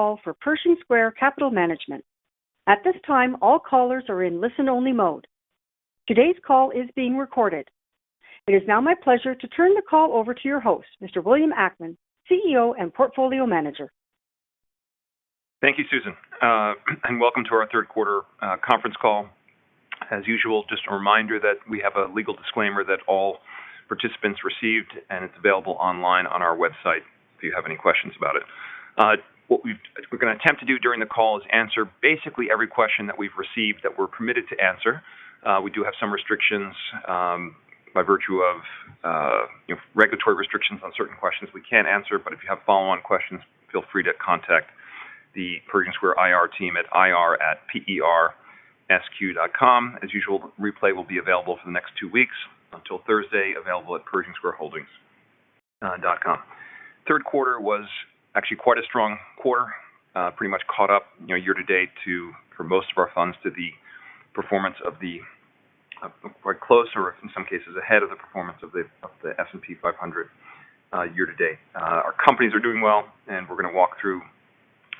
Call for Pershing Square Capital Management. At this time, all callers are in listen-only mode. Today's call is being recorded. It is now my pleasure to turn the call over to your host, Mr. William Ackman, CEO and Portfolio Manager. Thank you, Susan. Welcome to our third quarter conference call. As usual, just a reminder that we have a legal disclaimer that all participants received, and it's available online on our website if you have any questions about it. We're gonna attempt to do during the call is answer basically every question that we've received that we're permitted to answer. We do have some restrictions by virtue of you know regulatory restrictions on certain questions we can't answer. If you have follow-on questions, feel free to contact the Pershing Square IR team at ir@persq.com. As usual, replay will be available for the next two weeks until Thursday, available at pershingsquareholdings.com. Third quarter was actually quite a strong quarter. Pretty much caught up, you know, year to date, for most of our funds, quite close or in some cases ahead of the performance of the S&P 500, year to date. Our companies are doing well, and we're gonna walk through,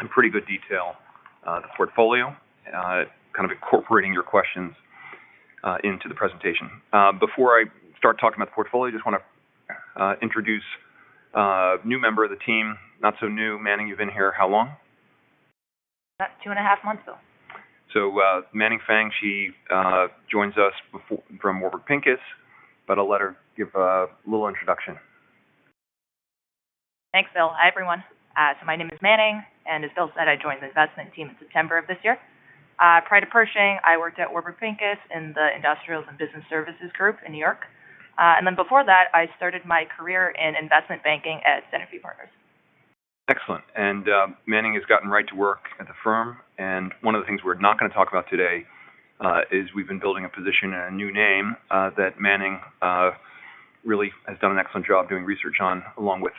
in pretty good detail, the portfolio, kind of incorporating your questions into the presentation. Before I start talking about the portfolio, I just wanna introduce a new member of the team. Not so new. Manning, you've been here how long? About two and a half months now. Manning Feng, she joins us from OrbiMed. I'll let her give a little introduction. Thanks, Bill. Hi, everyone. My name is Manning, and as Bill said, I joined the investment team in September of this year. Prior to Pershing, I worked at OrbiMed in the industrials and business services group in New York. Before that, I started my career in investment banking at Centerview Partners. Excellent. Manning has gotten right to work at the firm. One of the things we're not gonna talk about today is we've been building a position, a new name, that Manning really has done an excellent job doing research on, along with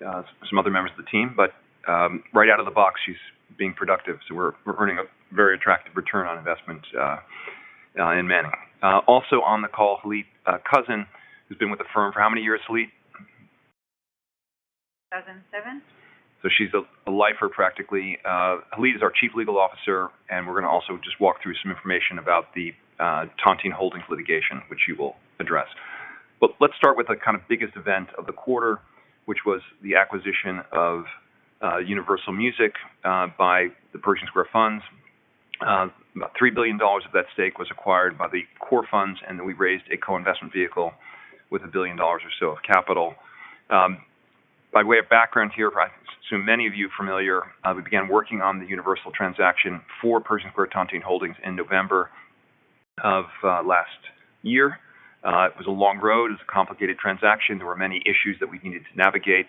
some other members of the team. Right out of the box, she's being productive, so we're earning a very attractive return on investment in Manning. Also on the call, Halit Coussin, who's been with the firm for how many years, Halit? 2007. She's a lifer, practically. Halit is our Chief Legal Officer, and we're gonna also just walk through some information about the Tontine Holdings litigation, which you will address. Let's start with the kind of biggest event of the quarter, which was the acquisition of Universal Music by the Pershing Square funds. About $3 billion of that stake was acquired by the core funds, and then we raised a co-investment vehicle with $1 billion or so of capital. By way of background here, I assume many of you are familiar. We began working on the Universal transaction for Pershing Square Tontine Holdings in November of last year. It was a long road. It was a complicated transaction. There were many issues that we needed to navigate.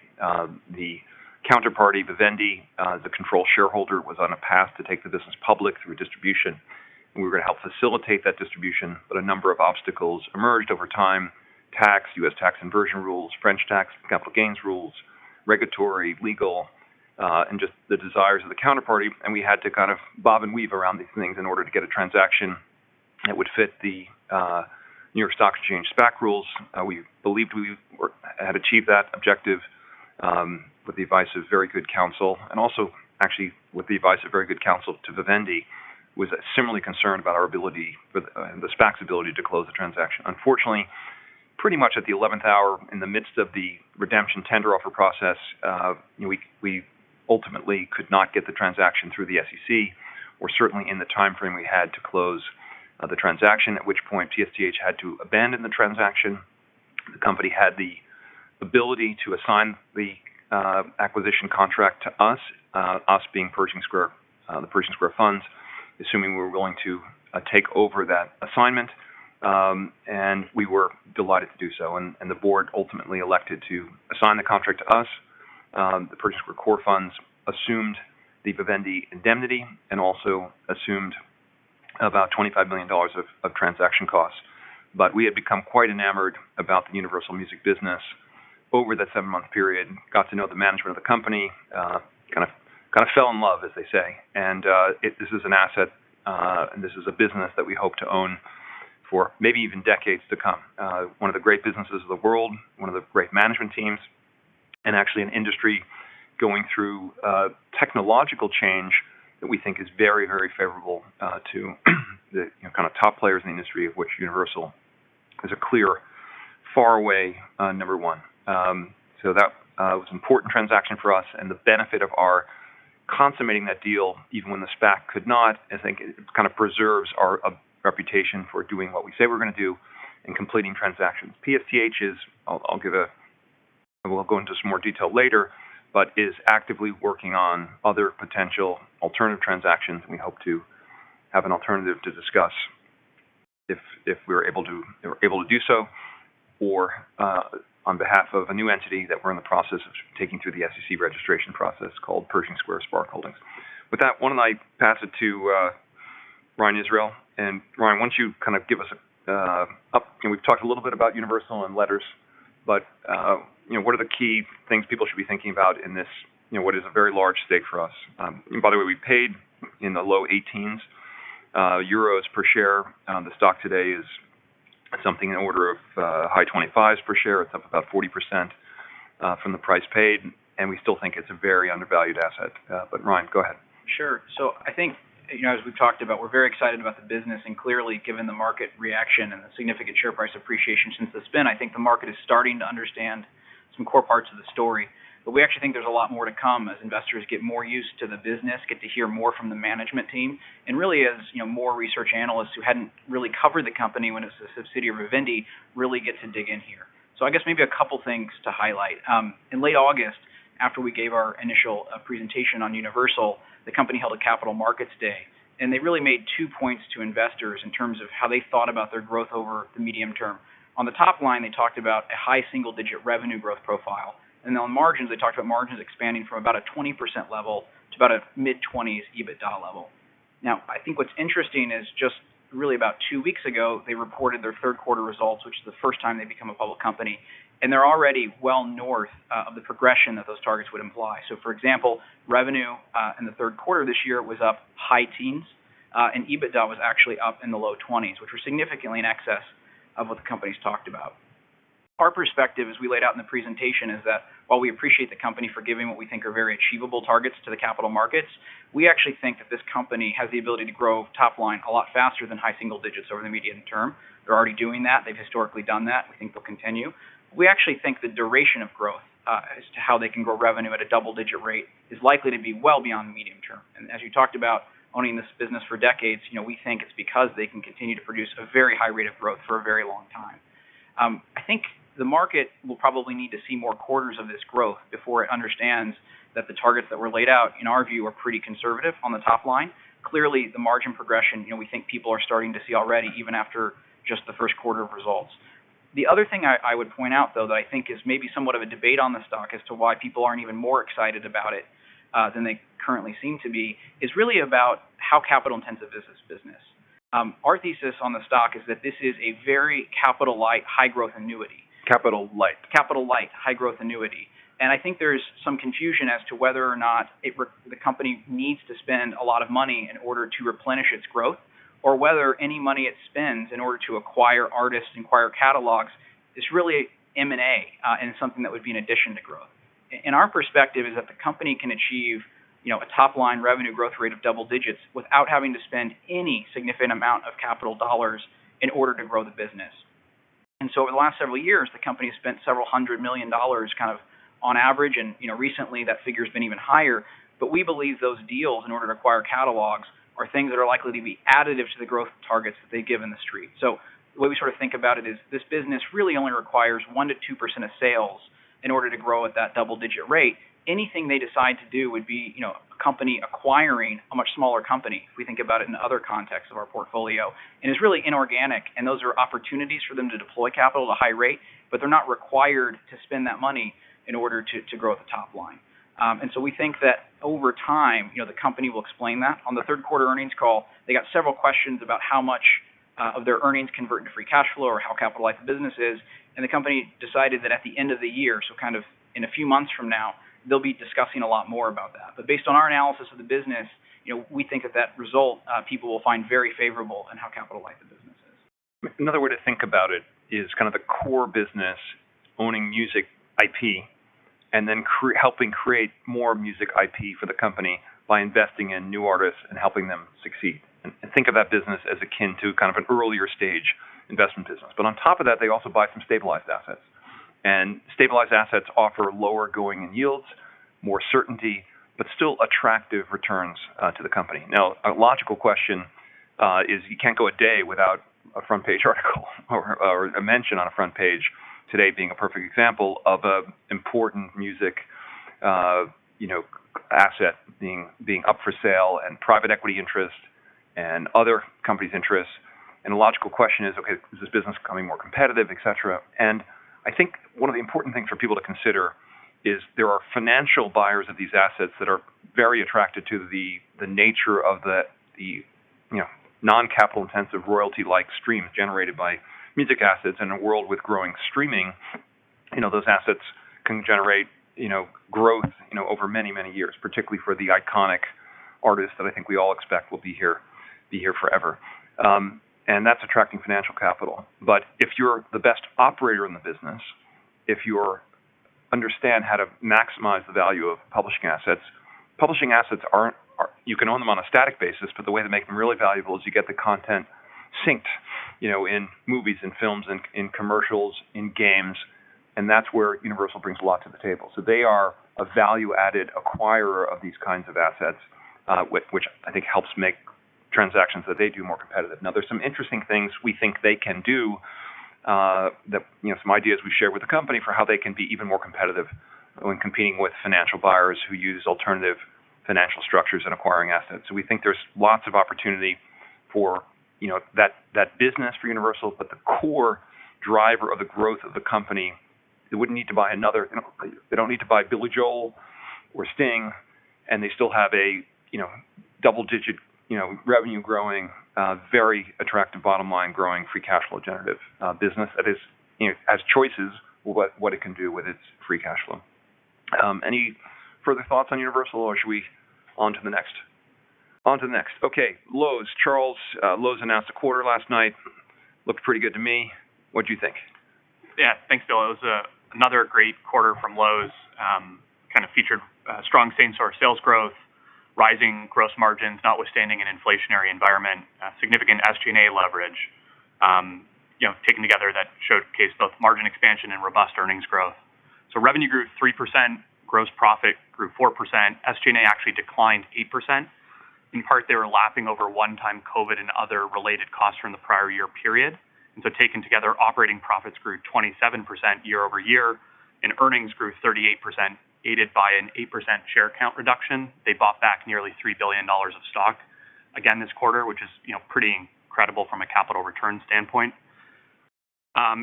The counterparty, Vivendi, the control shareholder, was on a path to take the business public through a distribution, and we were gonna help facilitate that distribution. A number of obstacles emerged over time, tax, U.S. tax inversion rules, French tax, capital gains rules, regulatory, legal, and just the desires of the counterparty. We had to kind of bob and weave around these things in order to get a transaction that would fit the New York Stock Exchange SPAC rules. We believed we had achieved that objective with the advice of very good counsel, and also, actually, with the advice of very good counsel to Vivendi, was similarly concerned about our ability with the SPAC's ability to close the transaction. Unfortunately, pretty much at the eleventh hour, in the midst of the redemption tender offer process, you know, we ultimately could not get the transaction through the SEC or certainly in the timeframe we had to close the transaction, at which point PSTH had to abandon the transaction. The company had the ability to assign the acquisition contract to us being Pershing Square, the Pershing Square funds, assuming we were willing to take over that assignment, and we were delighted to do so. The board ultimately elected to assign the contract to us. The Pershing Square core funds assumed the Vivendi indemnity and also assumed about $25 million of transaction costs. We had become quite enamored about the Universal Music business over that seven-month period. got to know the management of the company, kinda fell in love, as they say. This is an asset, this is a business that we hope to own for maybe even decades to come. One of the great businesses of the world, one of the great management teams, and actually an industry going through technological change that we think is very, very favorable to the, you know, kind of top players in the industry, of which Universal is a clear, far and away, number one. That was an important transaction for us, and the benefit of our consummating that deal, even when the SPAC could not, I think it kind of preserves our reputation for doing what we say we're gonna do in completing transactions. PSTH is... I'll give—we'll go into some more detail later, but is actively working on other potential alternative transactions, and we hope to have an alternative to discuss if we're able to do so, or on behalf of a new entity that we're in the process of taking through the SEC registration process called Pershing Square SPARC Holdings. With that, why don't I pass it to Ryan Israel. Ryan, why don't you kind of give us an update. You know, we've talked a little bit about Universal and letters, but you know, what are the key things people should be thinking about in this, you know, what is a very large stake for us? And by the way, we paid in the low 18s EUR per share. The stock today is at something in order of high $20s per share. It's up about 40% from the price paid, and we still think it's a very undervalued asset. Ryan, go ahead. Sure. I think, you know, as we've talked about, we're very excited about the business, and clearly, given the market reaction and the significant share price appreciation since the spin, I think the market is starting to understand some core parts of the story. We actually think there's a lot more to come as investors get more used to the business, get to hear more from the management team, and really as, you know, more research analysts who hadn't really covered the company when it was a subsidiary of Vivendi really get to dig in here. I guess maybe a couple things to highlight. In late August, after we gave our initial presentation on Universal, the company held a capital markets day, and they really made two points to investors in terms of how they thought about their growth over the medium term. On the top line, they talked about a high single-digit revenue growth profile, and on margins, they talked about margins expanding from about a 20% level to about a mid-20s EBITDA level. Now, I think what's interesting is just really about two weeks ago, they reported their third quarter results, which is the first time they've become a public company, and they're already well north of the progression that those targets would imply. For example, revenue in the third quarter this year was up high teens%, and EBITDA was actually up in the low 20s%, which were significantly in excess of what the company's talked about. Our perspective, as we laid out in the presentation, is that while we appreciate the company for giving what we think are very achievable targets to the capital markets, we actually think that this company has the ability to grow top line a lot faster than high single digits% over the medium term. They're already doing that. They've historically done that. We think they'll continue. We actually think the duration of growth, as to how they can grow revenue at a double-digit% rate is likely to be well beyond the medium term. As you talked about owning this business for decades, you know, we think it's because they can continue to produce a very high rate of growth for a very long time. I think the market will probably need to see more quarters of this growth before it understands that the targets that were laid out, in our view, are pretty conservative on the top line. Clearly, the margin progression, you know, we think people are starting to see already, even after just the first quarter of results. The other thing I would point out, though, that I think is maybe somewhat of a debate on the stock as to why people aren't even more excited about it, than they currently seem to be, is really about how capital-intensive is this business. Our thesis on the stock is that this is a very capital-light, high-growth annuity. Capital-light. Capital-light, high-growth annuity. I think there's some confusion as to whether or not the company needs to spend a lot of money in order to replenish its growth or whether any money it spends in order to acquire artists and acquire catalogs is really M&A and something that would be an addition to growth. Our perspective is that the company can achieve, you know, a top-line revenue growth rate of double digits without having to spend any significant amount of capital dollars in order to grow the business. Over the last several years, the company has spent $ several hundred million, kind of on average, and you know, recently, that figure's been even higher. We believe those deals, in order to acquire catalogs, are things that are likely to be additive to the growth targets that they give in the street. The way we sort of think about it is this business really only requires 1%-2% of sales in order to grow at that double-digit rate. Anything they decide to do would be, you know, a company acquiring a much smaller company, if we think about it in other contexts of our portfolio. It's really inorganic, and those are opportunities for them to deploy capital at a high rate, but they're not required to spend that money in order to grow the top line. We think that over time, you know, the company will explain that. On the third quarter earnings call, they got several questions about how much of their earnings convert into free cash flow or how capital-light the business is, and the company decided that at the end of the year, so kind of in a few months from now, they'll be discussing a lot more about that. But based on our analysis of the business, you know, we think that that result people will find very favorable in how capital-light the business is. Another way to think about it is kind of the core business owning music IP and then helping create more music IP for the company by investing in new artists and helping them succeed, and think of that business as akin to kind of an earlier stage investment business. On top of that, they also buy some stabilized assets. Stabilized assets offer lower going-in yields, more certainty, but still attractive returns to the company. A logical question is you can't go a day without a front page article or a mention on a front page, today being a perfect example of an important music asset being up for sale and private equity interest and other companies' interests. The logical question is, okay, is this business becoming more competitive, et cetera? I think one of the important things for people to consider is there are financial buyers of these assets that are very attracted to the nature of the, you know, non-capital intensive royalty-like stream generated by music assets. In a world with growing streaming, you know, those assets can generate, you know, growth, you know, over many, many years, particularly for the iconic artists that I think we all expect will be here forever. That's attracting financial capital. If you're the best operator in the business, if you understand how to maximize the value of publishing assets, publishing assets aren't. You can own them on a static basis, but the way to make them really valuable is you get the content synced, you know, in movies and films, in commercials, in games, and that's where Universal brings a lot to the table. So they are a value-added acquirer of these kinds of assets, which I think helps make transactions that they do more competitive. Now, there's some interesting things we think they can do, that, you know, some ideas we share with the company for how they can be even more competitive when competing with financial buyers who use alternative financial structures in acquiring assets. We think there's lots of opportunity for, you know, that business for Universal, but the core driver of the growth of the company. They don't need to buy Billy Joel or Sting, and they still have a, you know, double-digit, you know, revenue growing, very attractive bottom line growing free cash flow generative business that is, you know, has choices what it can do with its free cash flow. Any further thoughts on Universal, or should we on to the next? On to the next. Okay, Lowe's. Charles, Lowe's announced a quarter last night. Looked pretty good to me. What'd you think? Yeah. Thanks, Bill. It was another great quarter from Lowe's. Kind of featured strong same-store sales growth, rising gross margins, notwithstanding an inflationary environment, a significant SG&A leverage. You know, taken together, that showcased both margin expansion and robust earnings growth. Revenue grew 3%, gross profit grew 4%, SG&A actually declined 8%. In part, they were lapping over one-time COVID and other related costs from the prior year period. Taken together, operating profits grew 27% year-over-year, and earnings grew 38%, aided by an 8% share count reduction. They bought back nearly $3 billion of stock, again this quarter, which is, you know, pretty incredible from a capital return standpoint.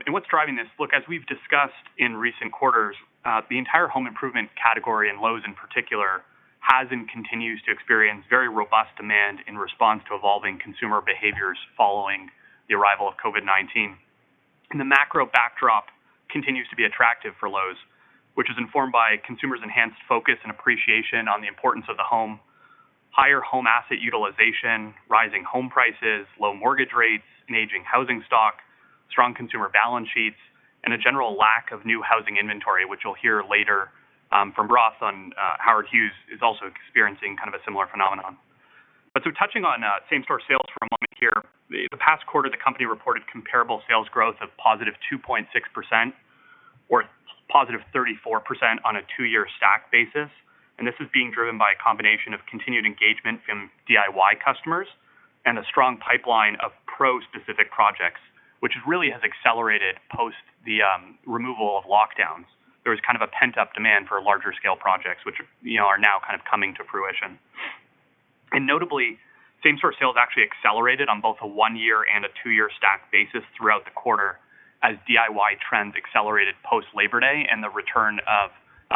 What's driving this? Look, as we've discussed in recent quarters, the entire home improvement category, and Lowe's in particular, has and continues to experience very robust demand in response to evolving consumer behaviors following the arrival of COVID-19. The macro backdrop continues to be attractive for Lowe's, which is informed by consumers' enhanced focus and appreciation on the importance of the home, higher home asset utilization, rising home prices, low mortgage rates, an aging housing stock, strong consumer balance sheets, and a general lack of new housing inventory, which you'll hear later from Ross on. Howard Hughes is also experiencing kind of a similar phenomenon. Touching on same-store sales for a moment here. The past quarter, the company reported comparable sales growth of positive 2.6%, or positive 34% on a two-year stack basis. This is being driven by a combination of continued engagement from DIY customers and a strong pipeline of pro-specific projects, which really has accelerated post the removal of lockdowns. There was kind of a pent-up demand for larger scale projects, which, you know, are now kind of coming to fruition. Notably, same-store sales actually accelerated on both a one-year and a two-year stack basis throughout the quarter as DIY trends accelerated post Labor Day and the return of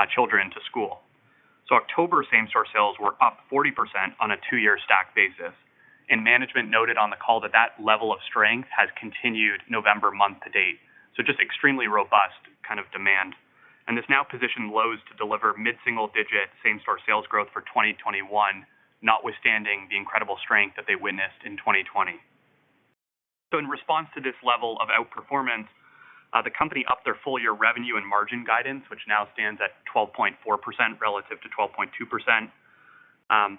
children to school. October same-store sales were up 40% on a two-year stack basis, and management noted on the call that that level of strength has continued November month to date. Just extremely robust kind of demand. This now positioned Lowe's to deliver mid-single digit same-store sales growth for 2021, notwithstanding the incredible strength that they witnessed in 2020. In response to this level of outperformance, the company upped their full year revenue and margin guidance, which now stands at 12.4% relative to 12.2%.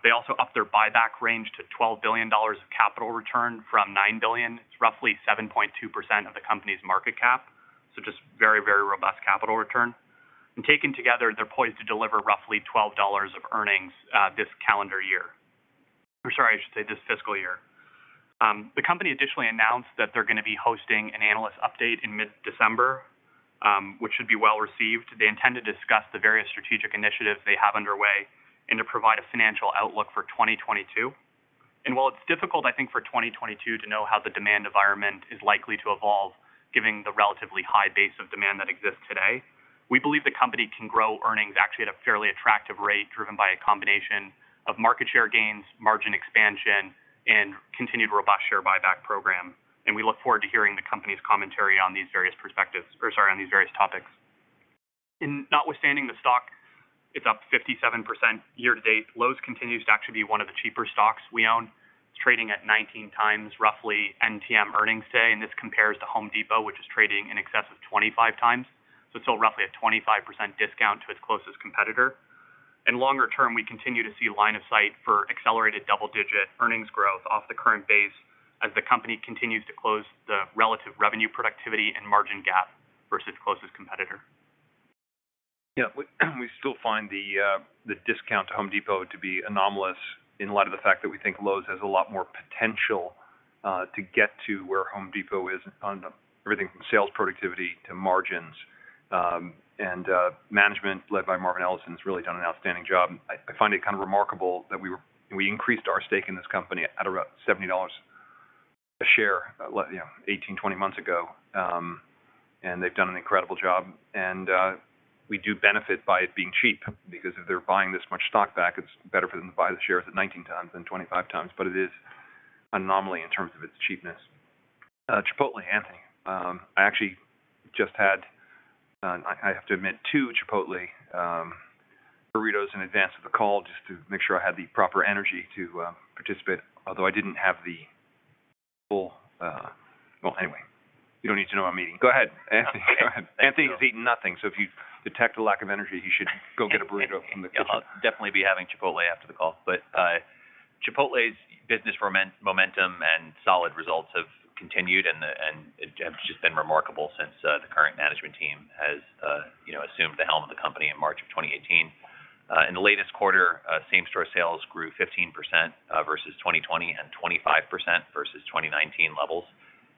They also upped their buyback range to $12 billion of capital return from $9 billion. It's roughly 7.2% of the company's market cap, so just very, very robust capital return. Taken together, they're poised to deliver roughly $12 of earnings, this calendar year. I'm sorry, I should say this fiscal year. The company additionally announced that they're gonna be hosting an analyst update in mid-December, which should be well-received. They intend to discuss the various strategic initiatives they have underway and to provide a financial outlook for 2022. While it's difficult, I think, for 2022 to know how the demand environment is likely to evolve, given the relatively high base of demand that exists today, we believe the company can grow earnings actually at a fairly attractive rate, driven by a combination of market share gains, margin expansion, and continued robust share buyback program. We look forward to hearing the company's commentary on these various topics. Notwithstanding the stock, it's up 57% year to date. Lowe's continues to actually be one of the cheaper stocks we own. It's trading at 19x roughly NTM earnings today, and this compares to Home Depot, which is trading in excess of 25x. Still roughly a 25% discount to its closest competitor. Longer term, we continue to see line of sight for accelerated double-digit earnings growth off the current base as the company continues to close the relative revenue productivity and margin gap versus closest competitor. Yeah, we still find the discount to Home Depot to be anomalous in light of the fact that we think Lowe's has a lot more potential to get to where Home Depot is on everything from sales productivity to margins. Management led by Marvin Ellison has really done an outstanding job. I find it kind of remarkable that we increased our stake in this company at about $70 a share, you know, 18, 20 months ago. They've done an incredible job. We do benefit by it being cheap because if they're buying this much stock back, it's better for them to buy the shares at 19x than 25x. But it is an anomaly in terms of its cheapness. Chipotle, Anthony. I actually just had, I have to admit, two Chipotle burritos in advance of the call just to make sure I had the proper energy to participate, although I didn't have the full. Well, anyway, you don't need to know I'm eating. Go ahead, Anthony. Anthony's eaten nothing, so if you detect a lack of energy, you should go get a burrito from the kitchen. Yeah. I'll definitely be having Chipotle after the call. Chipotle's business momentum and solid results have continued, and it's just been remarkable since the current management team has you know assumed the helm of the company in March of 2018. In the latest quarter, same-store sales grew 15% versus 2020 and 25% versus 2019 levels.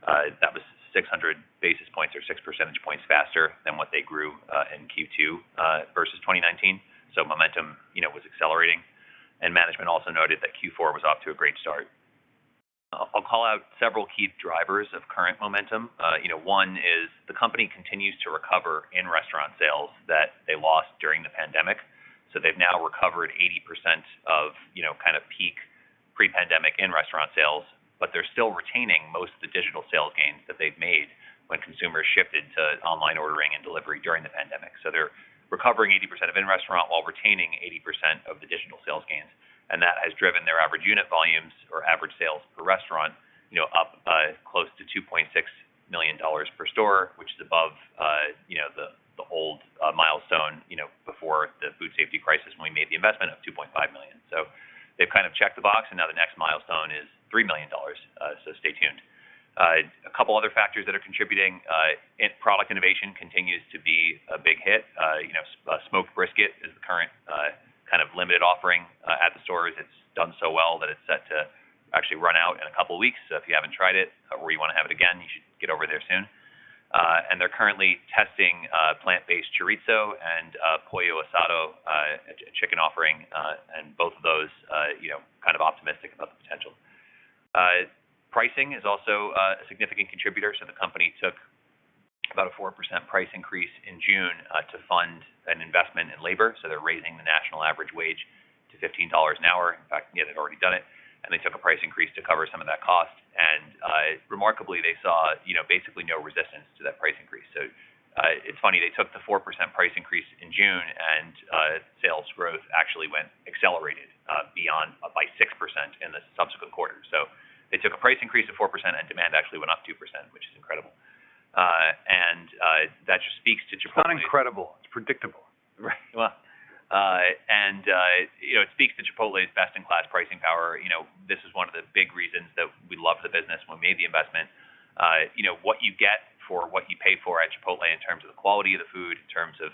That was 600 basis points or 6 percentage points faster than what they grew in Q2 versus 2019. Momentum, you know, was accelerating. Management also noted that Q4 was off to a great start. I'll call out several key drivers of current momentum. You know, one is the company continues to recover in-restaurant sales that they lost during the pandemic. They've now recovered 80% of, you know, kind of peak pre-pandemic in-restaurant sales, but they're still retaining most of the digital sales gains that they've made when consumers shifted to online ordering and delivery during the pandemic. They're recovering 80% of in-restaurant while retaining 80% of additional sales gains. That has driven their average unit volumes or average sales per restaurant, you know, up close to $2.6 million per store, which is above, you know, the old milestone before the food safety crisis when we made the investment of $2.5 million. They've kind of checked the box, and now the next milestone is $3 million, so stay tuned. A couple other factors that are contributing. In product innovation continues to be a big hit. You know, Smoked Brisket is the current kind of limited offering at the stores. It's done so well that it's set to actually run out in a couple weeks. If you haven't tried it or you wanna have it again, you should get over there soon. They're currently testing Plant-Based Chorizo and Pollo Asado, a chicken offering. Both of those, you know, I'm kind of optimistic about the potential. Pricing is also a significant contributor. The company took about a 4% price increase in June to fund an investment in labor. They're raising the national average wage to $15 an hour. In fact, you know, they've already done it. They took a price increase to cover some of that cost. Remarkably, they saw, you know, basically no resistance to that price increase. It's funny, they took the 4% price increase in June, and sales growth actually accelerated by 6% in the subsequent quarter. They took a price increase of 4%, and demand actually went up 2%, which is incredible. That just speaks to Chipotle- It's not incredible. It's predictable. You know, it speaks to Chipotle's best-in-class pricing power. You know, this is one of the big reasons that we love the business when we made the investment. You know, what you get for what you pay for at Chipotle in terms of the quality of the food, in terms of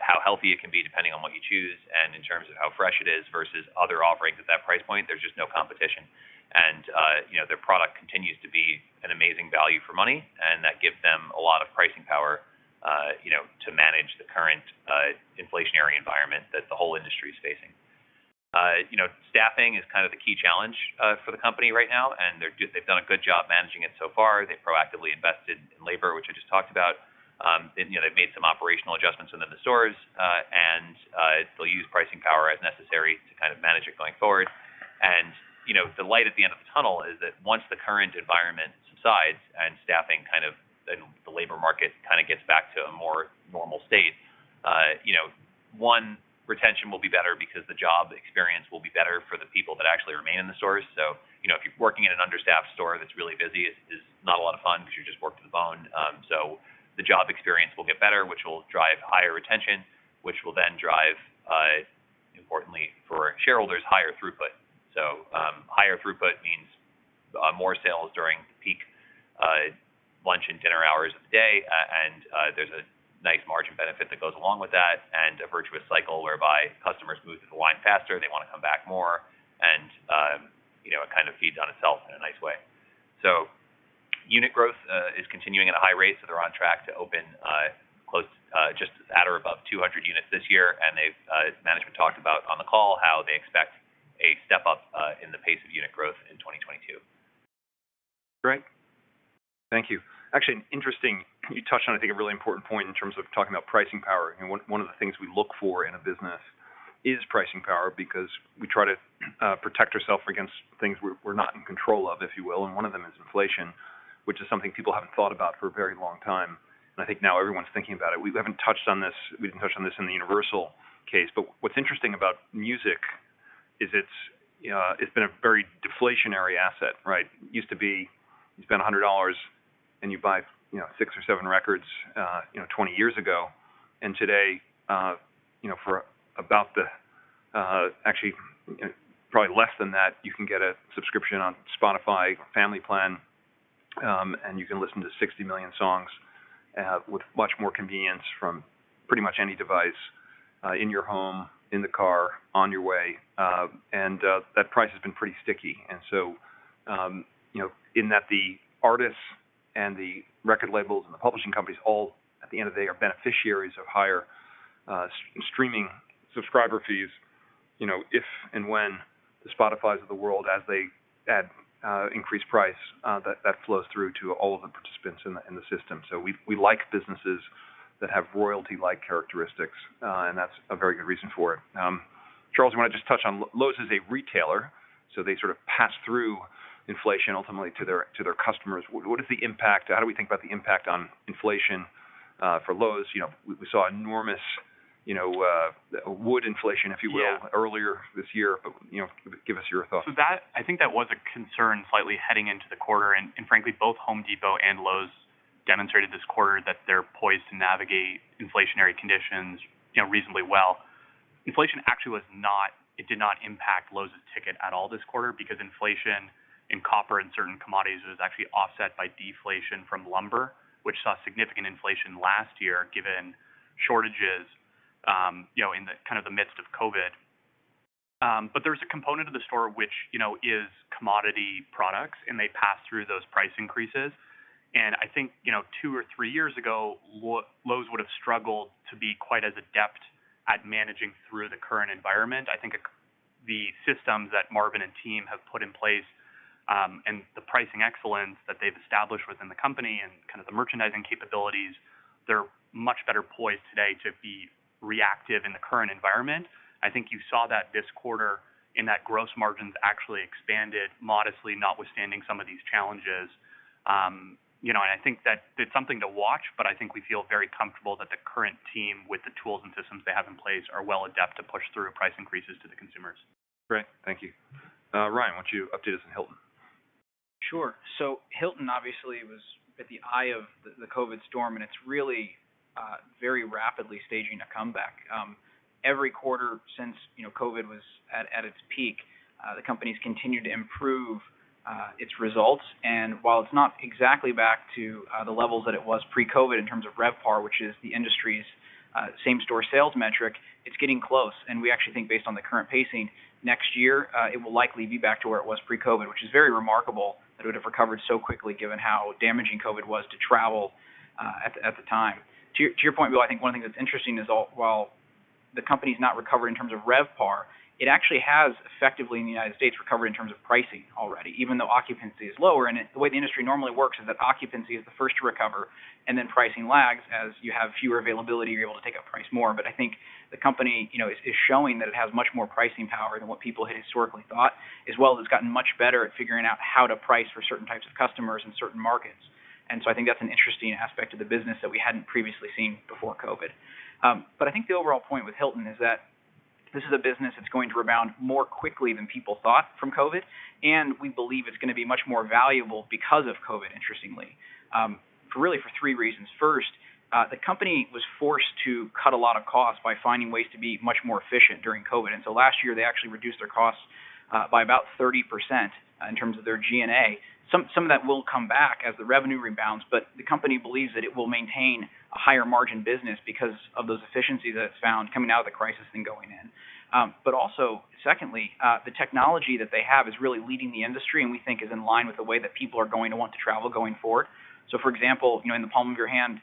how healthy it can be, depending on what you choose, and in terms of how fresh it is versus other offerings at that price point, there's just no competition. You know, their product continues to be an amazing value for money, and that gives them a lot of pricing power, you know, to manage the current inflationary environment that the whole industry is facing. You know, staffing is kind of the key challenge for the company right now, and they've done a good job managing it so far. They've proactively invested in labor, which I just talked about. You know, they've made some operational adjustments within the stores. They'll use pricing power as necessary to kind of manage it going forward. You know, the light at the end of the tunnel is that once the current environment subsides and staffing kind of, and the labor market kind of gets back to a more normal state, you know, retention will be better because the job experience will be better for the people that actually remain in the stores. You know, if you're working at an understaffed store that's really busy, it is not a lot of fun because you're just worked to the bone. The job experience will get better, which will drive higher retention, which will then drive, importantly for shareholders, higher throughput. Higher throughput means more sales during the peak lunch and dinner hours of the day. There's a nice margin benefit that goes along with that and a virtuous cycle whereby customers move through the line faster, they wanna come back more, and you know, it kind of feeds on itself in a nice way. Unit growth is continuing at a high rate, so they're on track to open just at or above 200 units this year. They've, as management talked about on the call, how they expect a step up in the pace of unit growth in 2022. Great. Thank you. Actually, you touched on, I think, a really important point in terms of talking about pricing power. One of the things we look for in a business is pricing power because we try to protect ourselves against things we're not in control of, if you will, and one of them is inflation, which is something people haven't thought about for a very long time. I think now everyone's thinking about it. We haven't touched on this. We didn't touch on this in the Universal case. What's interesting about music is it's been a very deflationary asset, right? It used to be you spend $100 and you buy, you know, 6 or 7 records, you know, 20 years ago. Today, you know, for about the, actually probably less than that, you can get a subscription on Spotify family plan, and you can listen to 60 million songs, with much more convenience from pretty much any device, in your home, in the car, on your way. That price has been pretty sticky. You know, in that the artists and the record labels and the publishing companies all, at the end of the day, are beneficiaries of higher, streaming subscriber fees. You know, if and when the Spotifys of the world, as they add increased price, that flows through to all of the participants in the, in the system. We like businesses that have royalty-like characteristics, and that's a very good reason for it. Charles, you wanna just touch on Lowe's is a retailer, so they sort of pass through inflation ultimately to their, to their customers. What is the impact? How do we think about the impact on inflation for Lowe's? You know, we saw enormous, you know, wood inflation, if you will. Yeah Earlier this year. You know, give us your thoughts. That, I think that was a concern slightly heading into the quarter. Frankly, both Home Depot and Lowe's demonstrated this quarter that they're poised to navigate inflationary conditions, you know, reasonably well. Inflation actually was not, it did not impact Lowe's ticket at all this quarter because inflation in copper and certain commodities was actually offset by deflation from lumber, which saw significant inflation last year, given shortages, you know, in the kind of the midst of COVID. But there's a component of the store which, you know, is commodity products, and they pass through those price increases. I think, you know, two or three years ago, Lowe's would have struggled to be quite as adept at managing through the current environment. I think the systems that Marvin and team have put in place, and the pricing excellence that they've established within the company and kind of the merchandising capabilities, they're much better poised today to be reactive in the current environment. I think you saw that this quarter in that gross margins actually expanded modestly, notwithstanding some of these challenges. You know, I think that it's something to watch, but I think we feel very comfortable that the current team with the tools and systems they have in place are well adept to push through price increases to the consumers. Great. Thank you. Ryan, why don't you update us on Hilton? Sure. Hilton obviously was at the eye of the COVID storm, and it's really very rapidly staging a comeback. Every quarter since, you know, COVID was at its peak, the company's continued to improve its results. While it's not exactly back to the levels that it was pre-COVID in terms of RevPAR, which is the industry's same-store sales metric, it's getting close. We actually think based on the current pacing, next year it will likely be back to where it was pre-COVID, which is very remarkable that it would have recovered so quickly given how damaging COVID was to travel at the time. To your point, Will, I think one thing that's interesting is while the company's not recovered in terms of RevPAR, it actually has effectively in the United States recovered in terms of pricing already, even though occupancy is lower. The way the industry normally works is that occupancy is the first to recover, and then pricing lags as you have fewer availability, you're able to take up price more. I think the company, you know, is showing that it has much more pricing power than what people had historically thought, as well as it's gotten much better at figuring out how to price for certain types of customers in certain markets. I think that's an interesting aspect of the business that we hadn't previously seen before COVID. I think the overall point with Hilton is that this is a business that's going to rebound more quickly than people thought from COVID, and we believe it's gonna be much more valuable because of COVID, interestingly, for three reasons. First, the company was forced to cut a lot of costs by finding ways to be much more efficient during COVID. Last year, they actually reduced their costs by about 30% in terms of their G&A. Some of that will come back as the revenue rebounds, but the company believes that it will maintain a higher margin business because of those efficiencies that it's found coming out of the crisis than going in. Secondly, the technology that they have is really leading the industry, and we think is in line with the way that people are going to want to travel going forward. For example, you know, in the palm of your hand,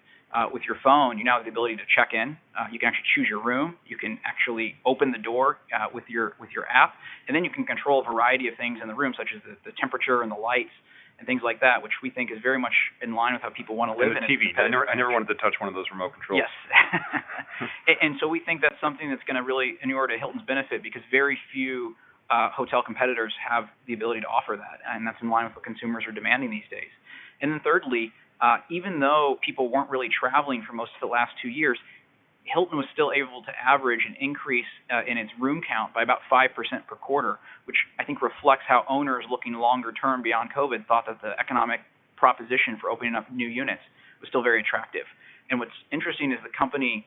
with your phone, you now have the ability to check in, you can actually choose your room, you can actually open the door, with your app, and then you can control a variety of things in the room, such as the temperature and the lights and things like that, which we think is very much in line with how people wanna live. The TV. I never wanted to touch one of those remote controls. Yes. We think that's something that's gonna really inure to Hilton's benefit because very few hotel competitors have the ability to offer that, and that's in line with what consumers are demanding these days. Thirdly, even though people weren't really traveling for most of the last two years, Hilton was still able to average an increase in its room count by about 5% per quarter, which I think reflects how owners looking longer term beyond COVID thought that the economic proposition for opening up new units was still very attractive. What's interesting is the company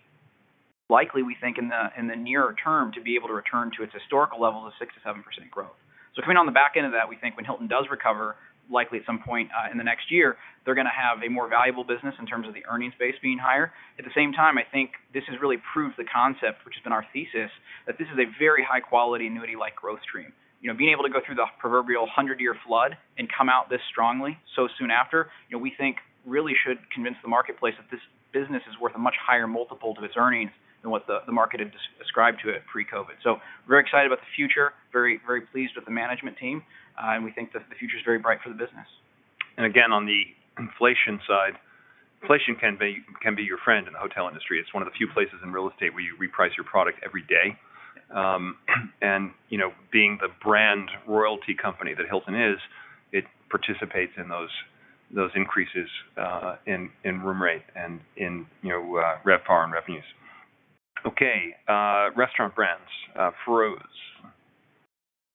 likely, we think, in the nearer term to be able to return to its historical level of 6%-7% growth. Coming on the back end of that, we think when Hilton does recover, likely at some point in the next year, they're gonna have a more valuable business in terms of the earnings base being higher. At the same time, I think this has really proved the concept, which has been our thesis, that this is a very high-quality annuity-like growth stream. You know, being able to go through the proverbial hundred-year flood and come out this strongly so soon after, you know, we think really should convince the marketplace that this business is worth a much higher multiple to its earnings than what the market had ascribed to it pre-COVID. We're excited about the future, very, very pleased with the management team, and we think that the future's very bright for the business. Again, on the inflation side, inflation can be your friend in the hotel industry. It's one of the few places in real estate where you reprice your product every day. You know, being the brand royalty company that Hilton is, it participates in those increases in room rate and in, you know, RevPAR and revenues. Okay, Restaurant Brands, Feroz.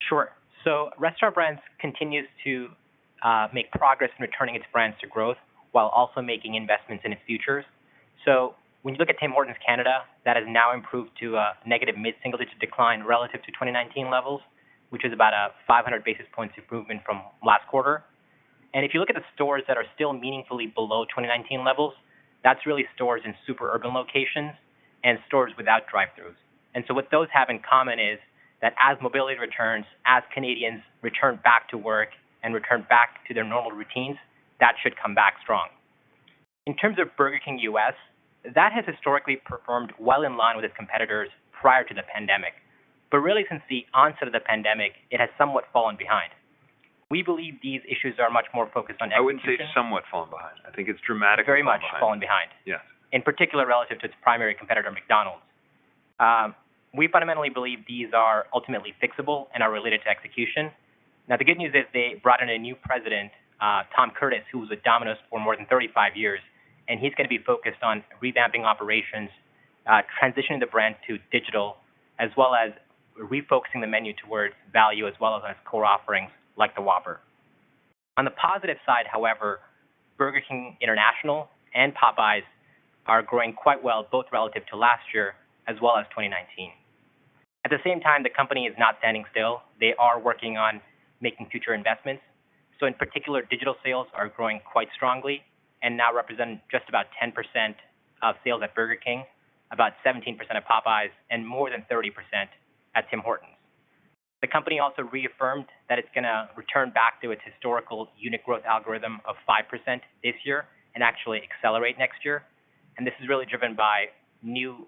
Sure. Restaurant Brands continues to make progress in returning its brands to growth while also making investments in its futures. When you look at Tim Hortons Canada, that has now improved to a negative mid-single digit decline relative to 2019 levels, which is about a 500 basis points improvement from last quarter. If you look at the stores that are still meaningfully below 2019 levels, that's really stores in super urban locations and stores without drive-throughs. What those have in common is that as mobility returns, as Canadians return back to work and return back to their normal routines, that should come back strong. In terms of Burger King U.S., that has historically performed well in line with its competitors prior to the pandemic. Really since the onset of the pandemic, it has somewhat fallen behind. We believe these issues are much more focused on execution. I wouldn't say somewhat fallen behind. I think it's dramatically fallen behind. Very much fallen behind. Yes. In particular, relative to its primary competitor, McDonald's. We fundamentally believe these are ultimately fixable and are related to execution. Now, the good news is they brought in a new president, Tom Curtis, who was at Domino's for more than 35 years, and he's gonna be focused on revamping operations, transitioning the brand to digital, as well as refocusing the menu towards value as well as core offerings like the Whopper. On the positive side, however, Burger King International and Popeyes are growing quite well, both relative to last year as well as 2019. At the same time, the company is not standing still. They are working on making future investments. In particular, digital sales are growing quite strongly and now represent just about 10% of sales at Burger King, about 17% of Popeyes, and more than 30% at Tim Hortons. The company also reaffirmed that it's gonna return back to its historical unit growth algorithm of 5% this year and actually accelerate next year. This is really driven by new,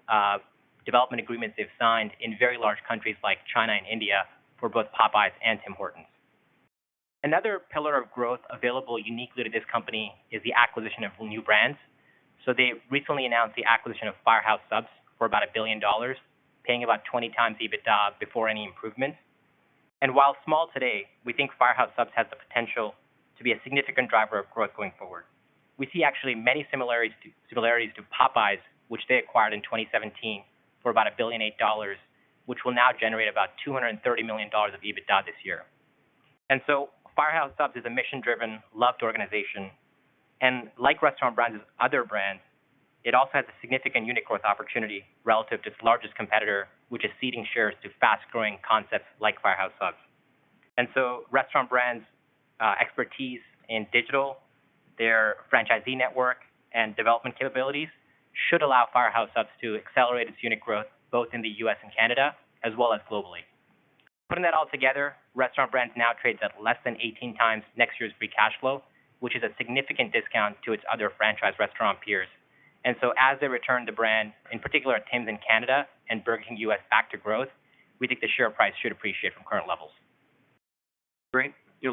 development agreements they've signed in very large countries like China and India for both Popeyes and Tim Hortons. Another pillar of growth available uniquely to this company is the acquisition of new brands. They recently announced the acquisition of Firehouse Subs for about $1 billion, paying about 20x EBITDA before any improvements. While small today, we think Firehouse Subs has the potential to be a significant driver of growth going forward. We see actually many similarities to Popeyes, which they acquired in 2017 for about $1.8 billion, which will now generate about $230 million of EBITDA this year. Firehouse Subs is a mission-driven, loved organization, and like Restaurant Brands' other brands, it also has a significant unit growth opportunity relative to its largest competitor, which is ceding shares to fast-growing concepts like Firehouse Subs. Restaurant Brands' expertise in digital, their franchisee network, and development capabilities should allow Firehouse Subs to accelerate its unit growth both in the U.S. and Canada, as well as globally. Putting that all together, Restaurant Brands now trades at less than 18x next year's free cash flow, which is a significant discount to its other franchise restaurant peers. As they return the brand, in particular Tim's in Canada and Burger King U.S. back to growth, we think the share price should appreciate from current levels. Great. The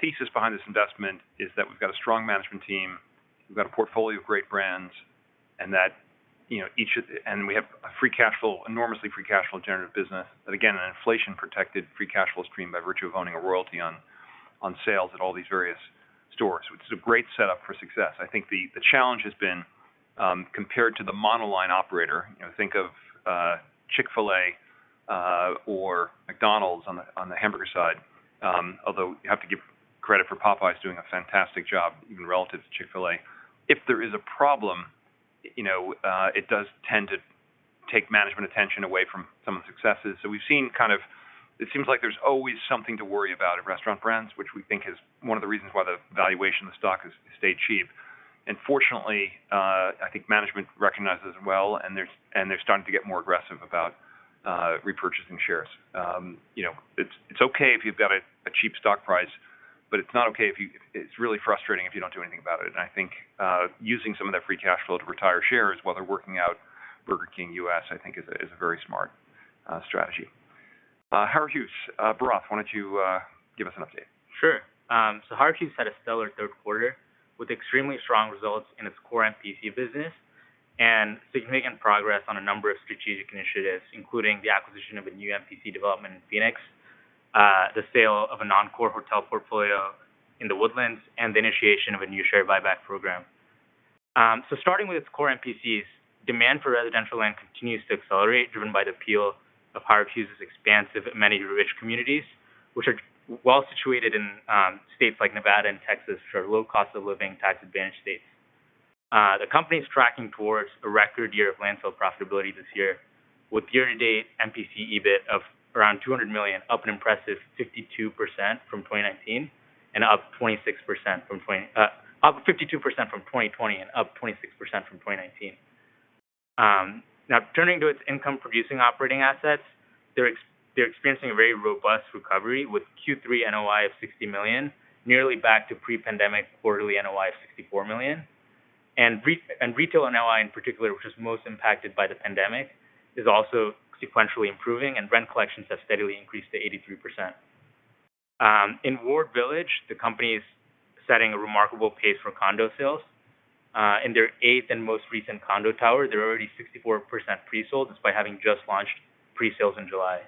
thesis behind this investment is that we've got a strong management team, we've got a portfolio of great brands, and we have a free cash flow, enormously free cash flow generative business. Again, an inflation-protected free cash flow stream by virtue of owning a royalty on sales at all these various stores, which is a great setup for success. I think the challenge has been compared to the monoline operator. You know, think of Chick-fil-A or McDonald's on the hamburger side. Although you have to give credit for Popeyes doing a fantastic job even relative to Chick-fil-A. If there is a problem, you know, it does tend to take management attention away from some of the successes. We've seen kind of, it seems like there's always something to worry about at Restaurant Brands, which we think is one of the reasons why the valuation of the stock has stayed cheap. Fortunately, I think management recognizes it well, and they're starting to get more aggressive about repurchasing shares. You know, it's okay if you've got a cheap stock price, but it's not okay. It's really frustrating if you don't do anything about it. I think using some of that free cash flow to retire shares while they're working out Burger King U.S., I think is a very smart strategy. Howard Hughes, Bharath, why don't you give us an update? Sure. Howard Hughes had a stellar third quarter with extremely strong results in its core MPC business and significant progress on a number of strategic initiatives, including the acquisition of a new MPC development in Phoenix, the sale of a non-core hotel portfolio in The Woodlands, and the initiation of a new share buyback program. Starting with its core MPCs, demand for residential land continues to accelerate, driven by the appeal of Howard Hughes's expansive amenity-rich communities, which are well situated in states like Nevada and Texas, which are low cost of living, tax-advantaged states. The company's tracking towards a record year of land sale profitability this year with year-to-date MPC EBIT of around $200 million, up an impressive 52% from 2020 and up 26% from 2019. Now turning to its income-producing operating assets, they're experiencing a very robust recovery with Q3 NOI of $60 million, nearly back to pre-pandemic quarterly NOI of $64 million. Retail NOI in particular, which was most impacted by the pandemic, is also sequentially improving, and rent collections have steadily increased to 83%. In Ward Village, the company is setting a remarkable pace for condo sales. In their eighth and most recent condo tower, they're already 64% pre-sold, despite having just launched pre-sales in July.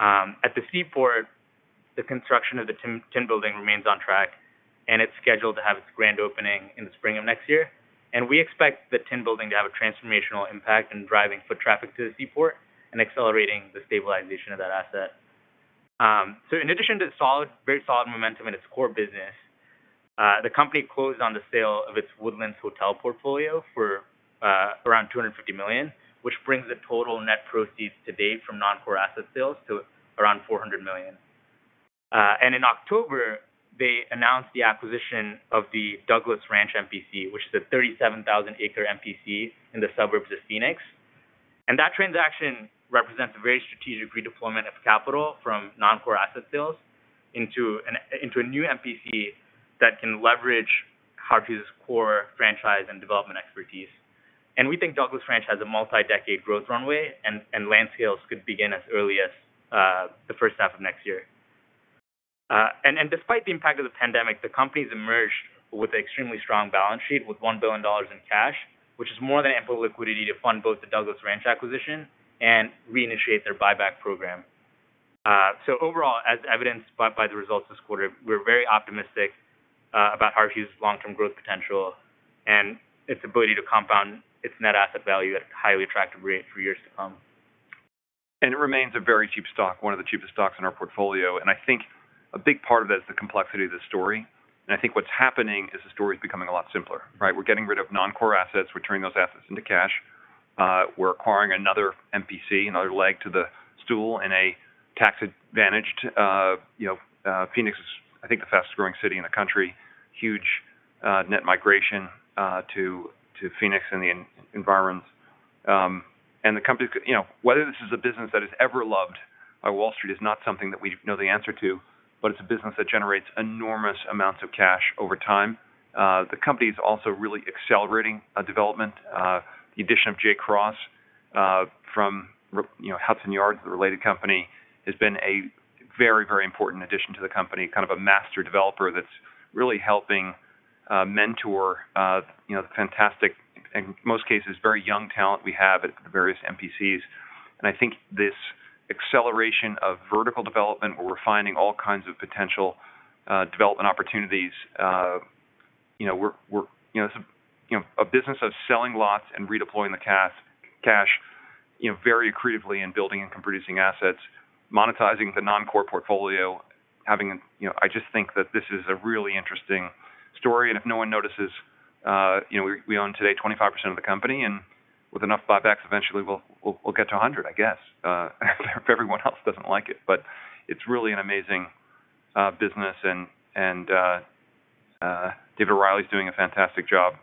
At the Seaport, the construction of the Tin Building remains on track, and it's scheduled to have its grand opening in the spring of next year. We expect the Tin Building to have a transformational impact in driving foot traffic to the Seaport and accelerating the stabilization of that asset. In addition to the solid, very solid momentum in its core business, the company closed on the sale of its Woodlands hotel portfolio for around $250 million, which brings the total net proceeds to date from non-core asset sales to around $400 million. In October, they announced the acquisition of the Douglas Ranch MPC, which is a 37,000-acre MPC in the suburbs of Phoenix. That transaction represents a very strategic redeployment of capital from non-core asset sales into a new MPC that can leverage Howard Hughes' core franchise and development expertise. We think Douglas Ranch has a multi-decade growth runway, and land sales could begin as early as the first half of next year. Despite the impact of the pandemic, the company's emerged with an extremely strong balance sheet with $1 billion in cash, which is more than ample liquidity to fund both the Douglas Ranch acquisition and reinitiate their buyback program. Overall, as evidenced by the results this quarter, we're very optimistic about Howard Hughes' long-term growth potential and its ability to compound its net asset value at a highly attractive rate for years to come. It remains a very cheap stock, one of the cheapest stocks in our portfolio. I think a big part of that is the complexity of the story. I think what's happening is the story is becoming a lot simpler, right? We're getting rid of non-core assets. We're turning those assets into cash. We're acquiring another MPC, another leg to the stool in a tax-advantaged Phoenix is, I think the fastest growing city in the country. Huge net migration to Phoenix and the environs. The company is, you know, whether this is a business that is ever loved by Wall Street is not something that we know the answer to, but it's a business that generates enormous amounts of cash over time. The company is also really accelerating development. The addition of Jay Cross from you know Hudson Yards, the related company has been a very important addition to the company kind of a master developer that's really helping mentor you know the fantastic in most cases very young talent we have at various MPCs. I think this acceleration of vertical development where we're finding all kinds of potential development opportunities you know we're you know somewhat you know a business of selling lots and redeploying the cash very creatively in building income producing assets monetizing the non-core portfolio having you know I just think that this is a really interesting story. If no one notices, you know, we own today 25% of the company and with enough buybacks, eventually we'll get to 100, I guess, if everyone else doesn't like it. It's really an amazing business and David O'Reilly's doing a fantastic job.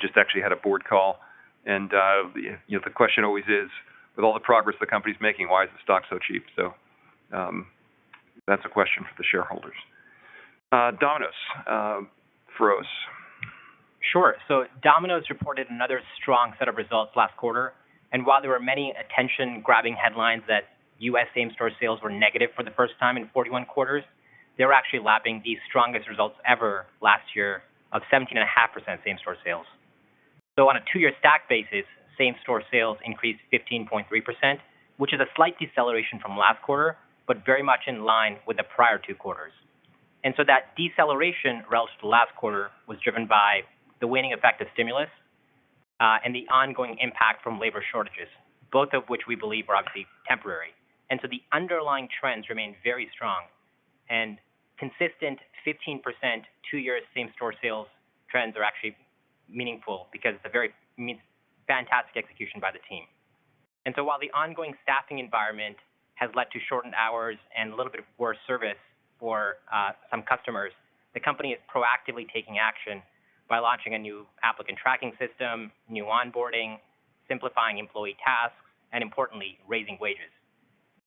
Just actually had a board call and, you know, the question always is, with all the progress the company's making, why is the stock so cheap? That's a question for the shareholders. Domino's, for us. Sure. Domino's reported another strong set of results last quarter, and while there were many attention-grabbing headlines that U.S. same store sales were negative for the first time in 41 quarters, they were actually lapping the strongest results ever last year of 17.5% same store sales. On a two-year stack basis, same store sales increased 15.3%, which is a slight deceleration from last quarter, but very much in line with the prior two quarters. That deceleration relative to last quarter was driven by the waning effect of stimulus and the ongoing impact from labor shortages, both of which we believe are obviously temporary. The underlying trends remain very strong. Consistent 15% two-year same store sales trends are actually meaningful because it's fantastic execution by the team. While the ongoing staffing environment has led to shortened hours and a little bit of worse service for some customers, the company is proactively taking action by launching a new applicant tracking system, new onboarding, simplifying employee tasks, and importantly, raising wages.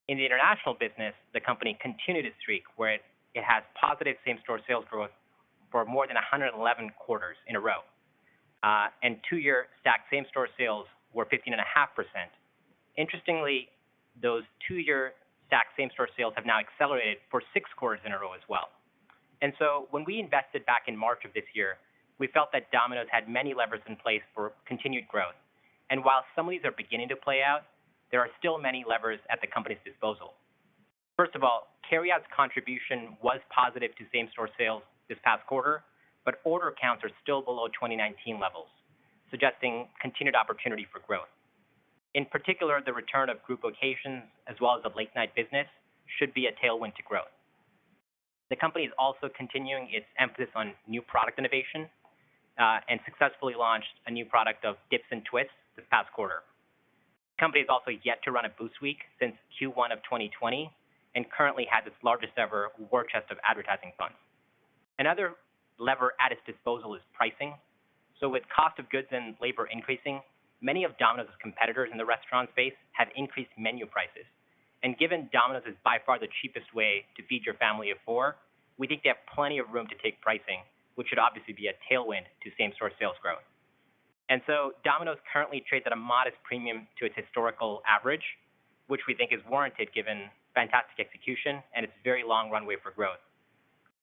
In the international business, the company continued its streak where it has positive same store sales growth for more than 111 quarters in a row. Two-year stacked same store sales were 15.5%. Interestingly, those two-year stacked same store sales have now accelerated for six quarters in a row as well. When we invested back in March of this year, we felt that Domino's had many levers in place for continued growth. While some of these are beginning to play out, there are still many levers at the company's disposal. First of all, carryout's contribution was positive to same-store sales this past quarter, but order counts are still below 2019 levels, suggesting continued opportunity for growth. In particular, the return of group locations as well as the late night business should be a tailwind to growth. The company is also continuing its emphasis on new product innovation and successfully launched a new product of Dips & Twists this past quarter. The company has also yet to run a boost week since Q1 of 2020, and currently has its largest ever war chest of advertising funds. Another lever at its disposal is pricing. With cost of goods and labor increasing, many of Domino's competitors in the restaurant space have increased menu prices. Given Domino's is by far the cheapest way to feed your family of four, we think they have plenty of room to take pricing, which should obviously be a tailwind to same store sales growth. Domino's currently trades at a modest premium to its historical average, which we think is warranted given fantastic execution and its very long runway for growth.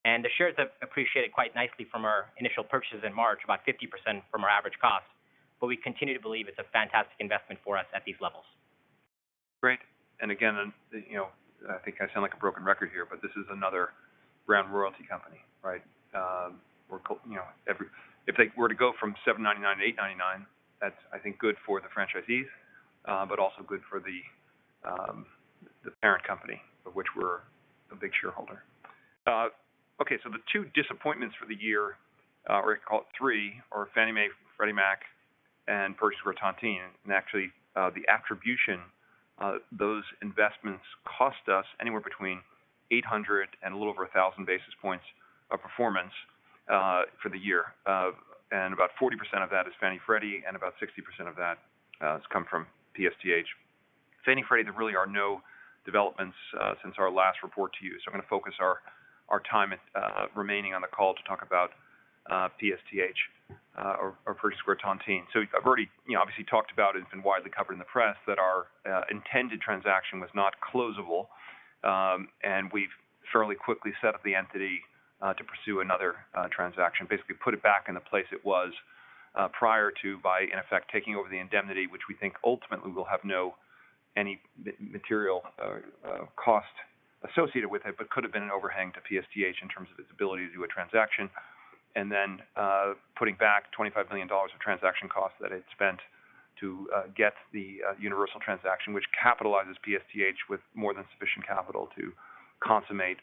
The shares have appreciated quite nicely from our initial purchases in March, about 50% from our average cost. We continue to believe it's a fantastic investment for us at these levels. Great. Again, you know, I think I sound like a broken record here, but this is another brand royalty company, right? We're co- you know, every- If they were to go from $7.99 to $8.99, that's I think good for the franchisees, but also good for the parent company of which we're a big shareholder. Okay, the two disappointments for the year, or call it three, are Fannie Mae, Freddie Mac, and Pershing Square Tontine. Actually, the attribution, those investments cost us anywhere between 800 and a little over 1,000 basis points of performance for the year. About 40% of that is Fannie Freddie, and about 60% of that has come from PSTH. Fannie Freddie, there really are no developments since our last report to you. I'm gonna focus our time remaining on the call to talk about PSTH or Pershing Square Tontine. I've already, you know, obviously talked about it. It's been widely covered in the press that our intended transaction was not closable. We've fairly quickly set up the entity to pursue another transaction, basically put it back in the place it was prior to by, in effect, taking over the indemnity, which we think ultimately will have no material cost associated with it, but could have been an overhang to PSTH in terms of its ability to do a transaction. Putting back $25 million of transaction costs that it spent to get the Universal transaction, which capitalizes PSTH with more than sufficient capital to consummate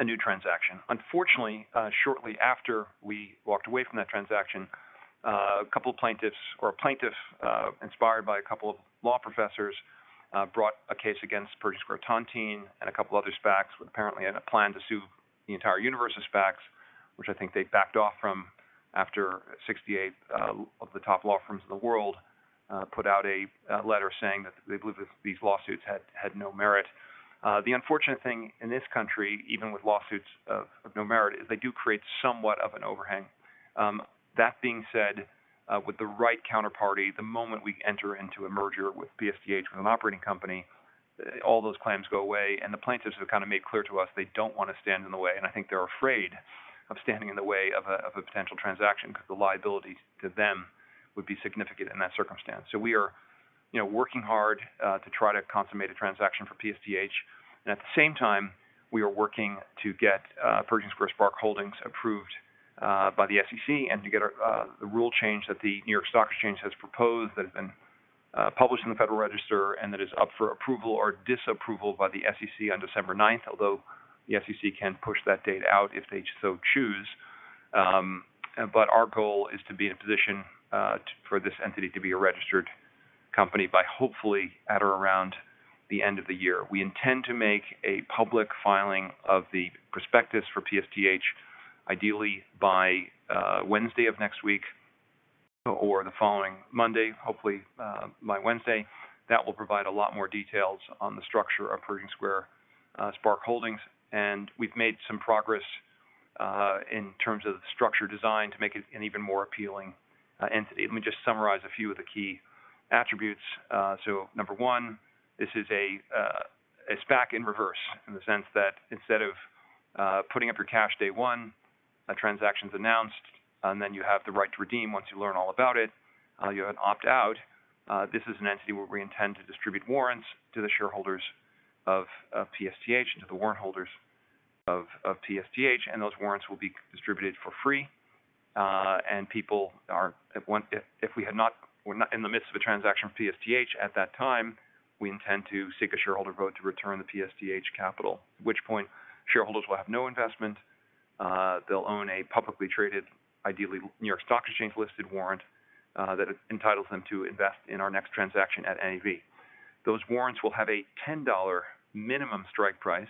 a new transaction. Unfortunately, shortly after we walked away from that transaction, a couple of plaintiffs or a plaintiff, inspired by a couple of law professors, brought a case against Pershing Square Tontine and a couple other SPACs, apparently had a plan to sue the entire universe of SPACs, which I think they backed off from after 68 of the top law firms in the world, put out a letter saying that they believe these lawsuits had no merit. The unfortunate thing in this country, even with lawsuits of no merit, is they do create somewhat of an overhang. That being said, with the right counterparty, the moment we enter into a merger with PSTH with an operating company. All those claims go away, and the plaintiffs have kind of made clear to us they don't want to stand in the way. I think they're afraid of standing in the way of a potential transaction because the liability to them would be significant in that circumstance. We are, you know, working hard to try to consummate a transaction for PSTH. At the same time, we are working to get Pershing Square SPARC Holdings approved by the SEC and to get the rule change that the New York Stock Exchange has proposed that has been published in the Federal Register and that is up for approval or disapproval by the SEC on December 9th. Although the SEC can push that date out if they so choose. Our goal is to be in a position for this entity to be a registered company by hopefully at or around the end of the year. We intend to make a public filing of the prospectus for PSTH, ideally by Wednesday of next week or the following Monday, hopefully by Wednesday. That will provide a lot more details on the structure of Pershing Square SPARC Holdings. We've made some progress in terms of the structure design to make it an even more appealing. Let me just summarize a few of the key attributes. Number one, this is a SPAC in reverse in the sense that instead of putting up your cash day one, a transaction's announced, and then you have the right to redeem once you learn all about it, you opt out. This is an entity where we intend to distribute warrants to the shareholders of PSTH and to the warrant holders of PSTH, and those warrants will be distributed for free. If we're not in the midst of a transaction with PSTH at that time, we intend to seek a shareholder vote to return the PSTH capital. At which point, shareholders will have no investment. They'll own a publicly traded, ideally New York Stock Exchange-listed warrant that entitles them to invest in our next transaction at NAV. Those warrants will have a $10 minimum strike price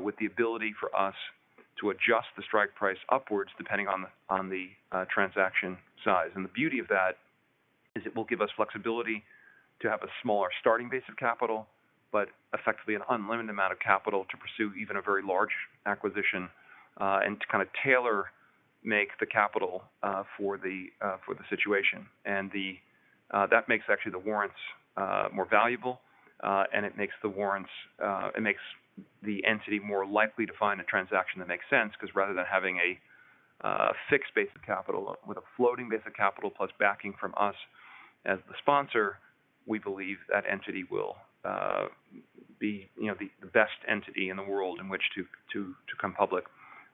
with the ability for us to adjust the strike price upwards depending on the transaction size. The beauty of that is it will give us flexibility to have a smaller starting base of capital, but effectively an unlimited amount of capital to pursue even a very large acquisition, and to kind of tailor-make the capital for the situation. That actually makes the warrants more valuable, and it makes the entity more likely to find a transaction that makes sense because rather than having a fixed base of capital with a floating base of capital plus backing from us as the sponsor, we believe that entity will be, you know, the best entity in the world in which to come public.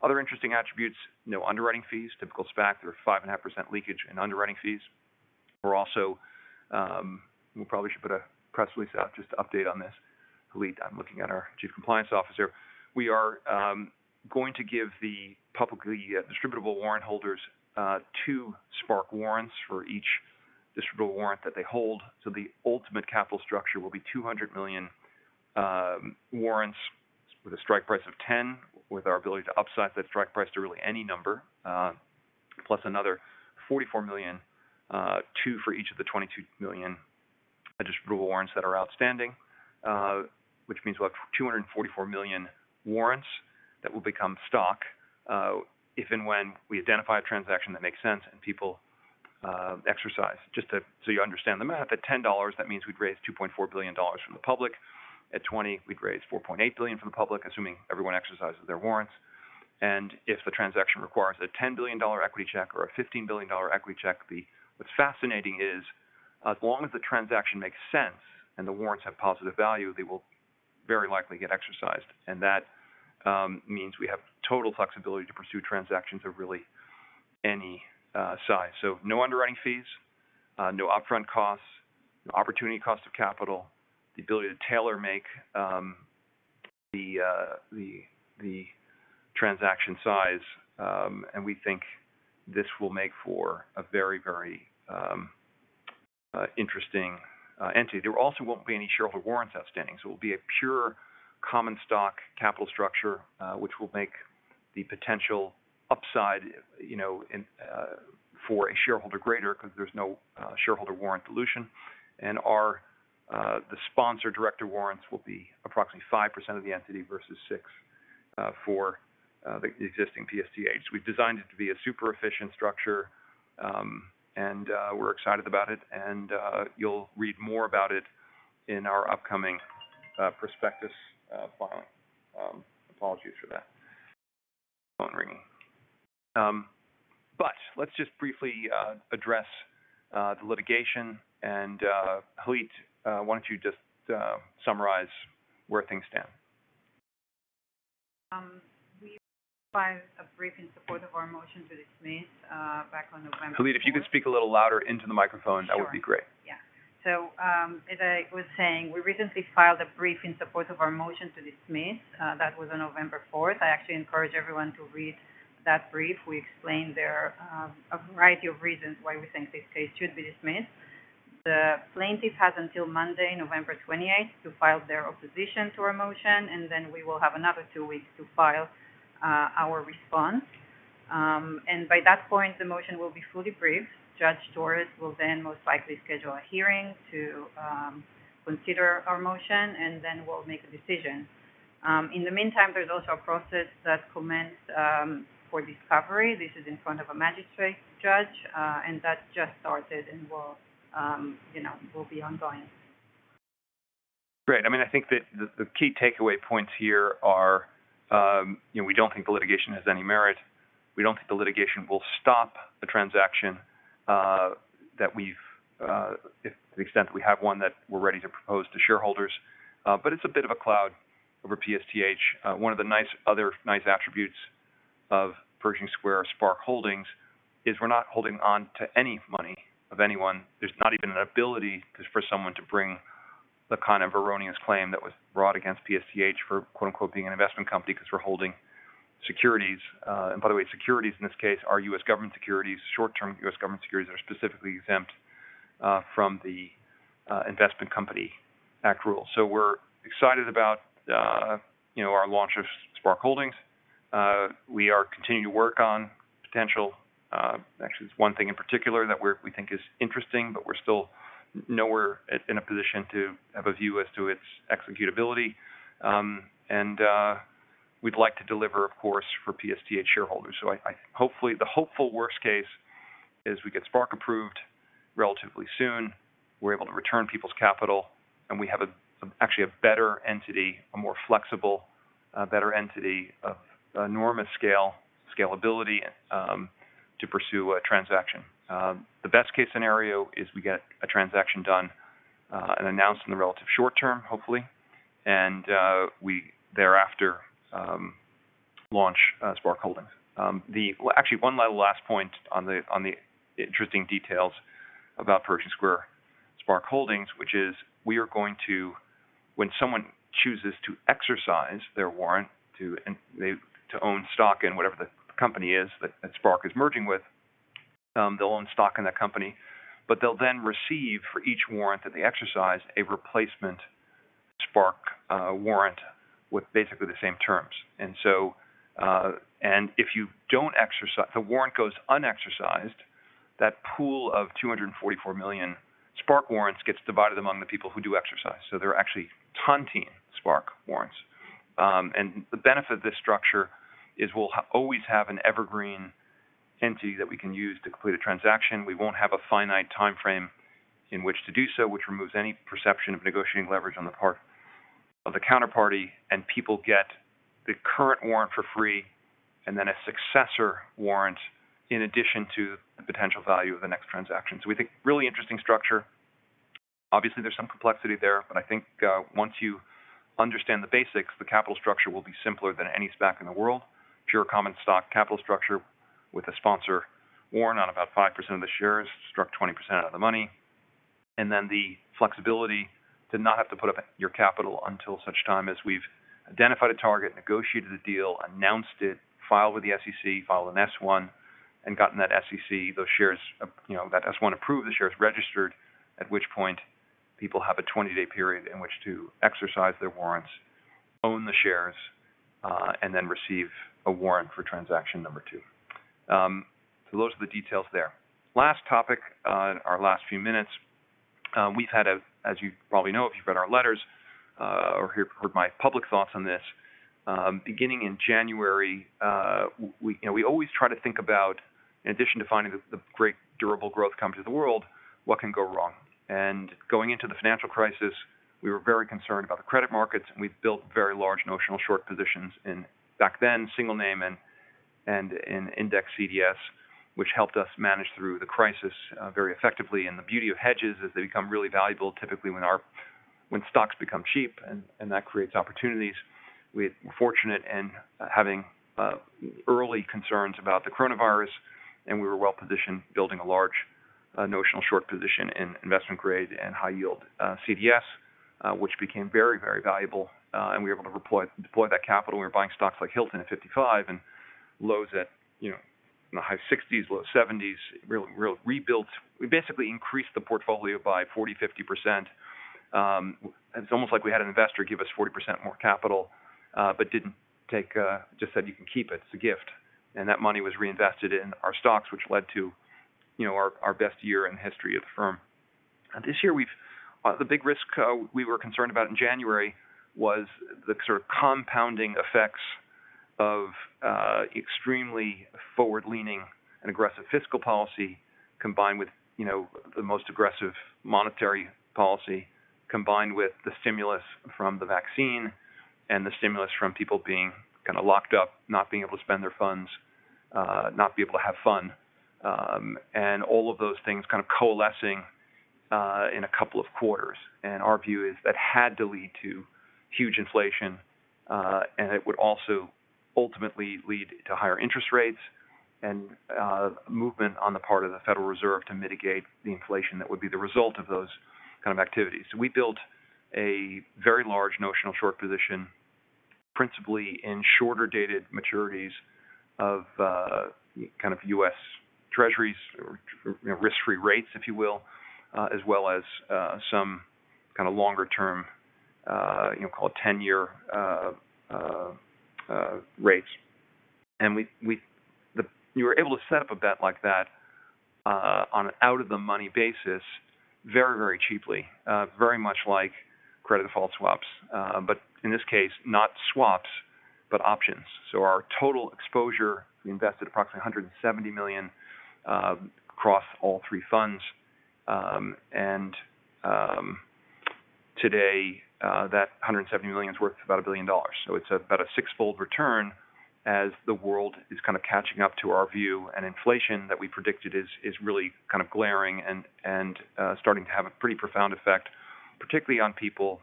Other interesting attributes, no underwriting fees, typical SPAC. There are 5.5% leakage in underwriting fees. We're also We probably should put a press release out just to update on this. Halit, I'm looking at our Chief Compliance Officer. We are going to give the publicly distributable warrant holders two SPARC warrants for each distributable warrant that they hold. The ultimate capital structure will be 200 million warrants with a strike price of $10, with our ability to upsize that strike price to really any number, plus another 44 million, two for each of the 22 million distributable warrants that are outstanding. Which means we'll have 244 million warrants that will become stock if and when we identify a transaction that makes sense and people exercise. You understand the math, at $10, that means we'd raise $2.4 billion from the public. At 20, we'd raise $4.8 billion from the public, assuming everyone exercises their warrants. If the transaction requires a $10 billion equity check or a $15 billion equity check, what's fascinating is, as long as the transaction makes sense and the warrants have positive value, they will very likely get exercised. That means we have total flexibility to pursue transactions of really any size. No underwriting fees, no upfront costs, no opportunity cost of capital, the ability to tailor-make the transaction size. We think this will make for a very interesting entity. There also won't be any shareholder warrants outstanding, so it will be a pure common stock capital structure, which will make the potential upside, you know, in, for a shareholder greater because there's no shareholder warrant dilution. Our sponsor director warrants will be approximately 5% of the entity versus 6% for the existing PSTH. We've designed it to be a super efficient structure, and we're excited about it. You'll read more about it in our upcoming prospectus filing. Apologies for that. Let's just briefly address the litigation and Halit, why don't you just summarize where things stand? We filed a brief in support of our motion to dismiss back on November 4th. Halit, if you could speak a little louder into the microphone, that would be great. As I was saying, we recently filed a brief in support of our motion to dismiss. That was on November 4th. I actually encourage everyone to read that brief. We explained there a variety of reasons why we think this case should be dismissed. The plaintiff has until Monday, November 28th to file their opposition to our motion, and then we will have another two weeks to file our response. By that point, the motion will be fully briefed. Analisa Torres will then most likely schedule a hearing to consider our motion, and then we'll make a decision. In the meantime, there's also a process that commenced for discovery. This is in front of a magistrate judge, and that just started and will, you know, be ongoing. Great. I mean, I think that the key takeaway points here are, you know, we don't think the litigation has any merit. We don't think the litigation will stop the transaction, if, to the extent we have one that we're ready to propose to shareholders. It's a bit of a cloud over PSTH. One of the other nice attributes of Pershing Square SPARC Holdings is we're not holding on to any money of anyone. There's not even an ability just for someone to bring the kind of erroneous claim that was brought against PSTH for, quote-unquote, "being an investment company," 'cause we're holding securities. By the way, securities in this case are U.S. government securities. Short-term U.S. government securities are specifically exempt from the Investment Company Act rule. We're excited about, you know, our launch of SPARC Holdings. We are continuing to work on one thing in particular that we think is interesting, but we're still not in a position to have a view as to its executability. We'd like to deliver, of course, for PSTH shareholders. Hopefully, the worst case is we get SPARC approved relatively soon. We're able to return people's capital, and we have actually a better entity, a more flexible, better entity of enormous scale, scalability, to pursue a transaction. The best case scenario is we get a transaction done and announced in the relatively short term, hopefully. We thereafter launch SPARC Holdings. Well, actually one last point on the interesting details about Pershing Square SPARC Holdings, Ltd. When someone chooses to exercise their warrant to own stock in whatever the company is that SPARC is merging with, they'll own stock in that company, but they'll then receive for each warrant that they exercise, a replacement SPARC warrant with basically the same terms. If the warrant goes unexercised, that pool of 244 million SPARC warrants gets divided among the people who do exercise. They're actually taking SPARC warrants. The benefit of this structure is we'll always have an evergreen entity that we can use to complete a transaction. We won't have a finite timeframe in which to do so, which removes any perception of negotiating leverage on the part of the counterparty. People get the current warrant for free and then a successor warrant in addition to the potential value of the next transaction. We think really interesting structure. Obviously, there's some complexity there, but I think, once you understand the basics, the capital structure will be simpler than any SPAC in the world. Pure common stock capital structure with a sponsor warrant on about 5% of the shares, struck 20% out of the money. Then the flexibility to not have to put up your capital until such time as we've identified a target, negotiated a deal, announced it, filed with the SEC, filed an S-1, and gotten that SEC, those shares of, you know, that S-1 approved, the shares registered, at which point people have a 20-day period in which to exercise their warrants, own the shares, and then receive a warrant for transaction number two. Those are the details there. Last topic, in our last few minutes. We've had a, as you probably know if you've read our letters, or heard my public thoughts on this, beginning in January, we, you know, we always try to think about, in addition to finding the great durable growth companies of the world, what can go wrong? Going into the financial crisis, we were very concerned about the credit markets, and we've built very large notional short positions in, back then, single name and in index CDS, which helped us manage through the crisis very effectively. The beauty of hedges is they become really valuable typically when stocks become cheap and that creates opportunities. We're fortunate in having early concerns about the coronavirus, and we were well-positioned building a large notional short position in investment grade and high yield CDS, which became very valuable. We were able to deploy that capital. We were buying stocks like Hilton at $55 and Lowe's at, you know, in the high $60s, low $70s. Really rebuilt. We basically increased the portfolio by 40%, 50%. It's almost like we had an investor give us 40% more capital, but didn't take. Just said, "You can keep it. It's a gift." That money was reinvested in our stocks, which led to, you know, our best year in the history of the firm. This year, the big risk we were concerned about in January was the sort of compounding effects of extremely forward-leaning and aggressive fiscal policy combined with, you know, the most aggressive monetary policy, combined with the stimulus from the vaccine and the stimulus from people being kinda locked up, not being able to spend their funds, not being able to have fun. All of those things kind of coalescing in a couple of quarters. Our view is that had to lead to huge inflation, and it would also ultimately lead to higher interest rates and, movement on the part of the Federal Reserve to mitigate the inflation that would be the result of those kind of activities. We built a very large notional short position, principally in shorter-dated maturities of, kind of U.S. Treasuries or, you know, risk-free rates, if you will, as well as, some longer term, you know, call it ten-year, rates. We were able to set up a bet like that, on an out of the money basis very, very cheaply, very much like credit default swaps. But in this case, not swaps, but options. Our total exposure, we invested approximately $170 million, across all three funds. Today, that $170 million is worth about $1 billion. It's about a six-fold return as the world is kind of catching up to our view, and inflation that we predicted is really kind of glaring and starting to have a pretty profound effect, particularly on people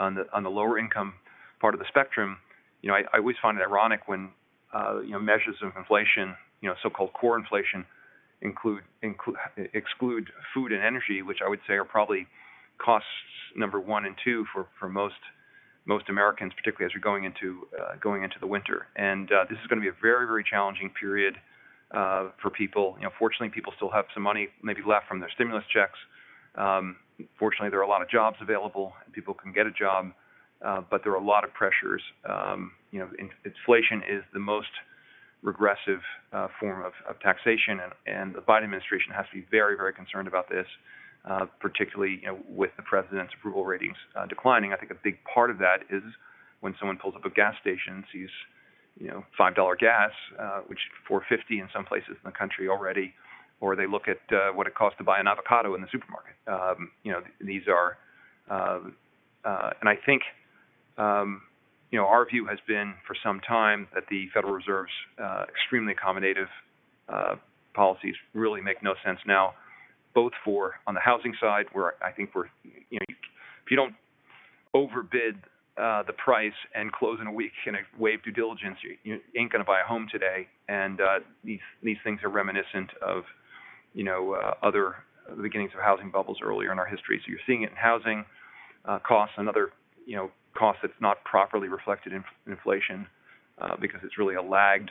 on the lower income part of the spectrum. You know, I always find it ironic when you know measures of inflation, you know, so-called core inflation, exclude food and energy, which I would say are probably costs numbers one and two for most Americans, particularly as we're going into the winter. This is gonna be a very challenging period for people. You know, fortunately, people still have some money maybe left from their stimulus checks. Fortunately, there are a lot of jobs available, and people can get a job, but there are a lot of pressures. You know, inflation is the most regressive form of taxation, and the Biden administration has to be very, very concerned about this, particularly, you know, with the president's approval ratings declining. I think a big part of that is when someone pulls up a gas station and sees, you know, $5 gas, which is $4.50 in some places in the country already, or they look at what it costs to buy an avocado in the supermarket. You know, these are- I think, you know, our view has been for some time that the Federal Reserve's extremely accommodative policies really make no sense now, both for on the housing side, where I think you know, if you don't overbid the price and close in a week with waived due diligence, you ain't gonna buy a home today. These things are reminiscent of, you know, other beginnings of housing bubbles earlier in our history. You're seeing it in housing costs and other, you know, costs that's not properly reflected in inflation because it's really a lagged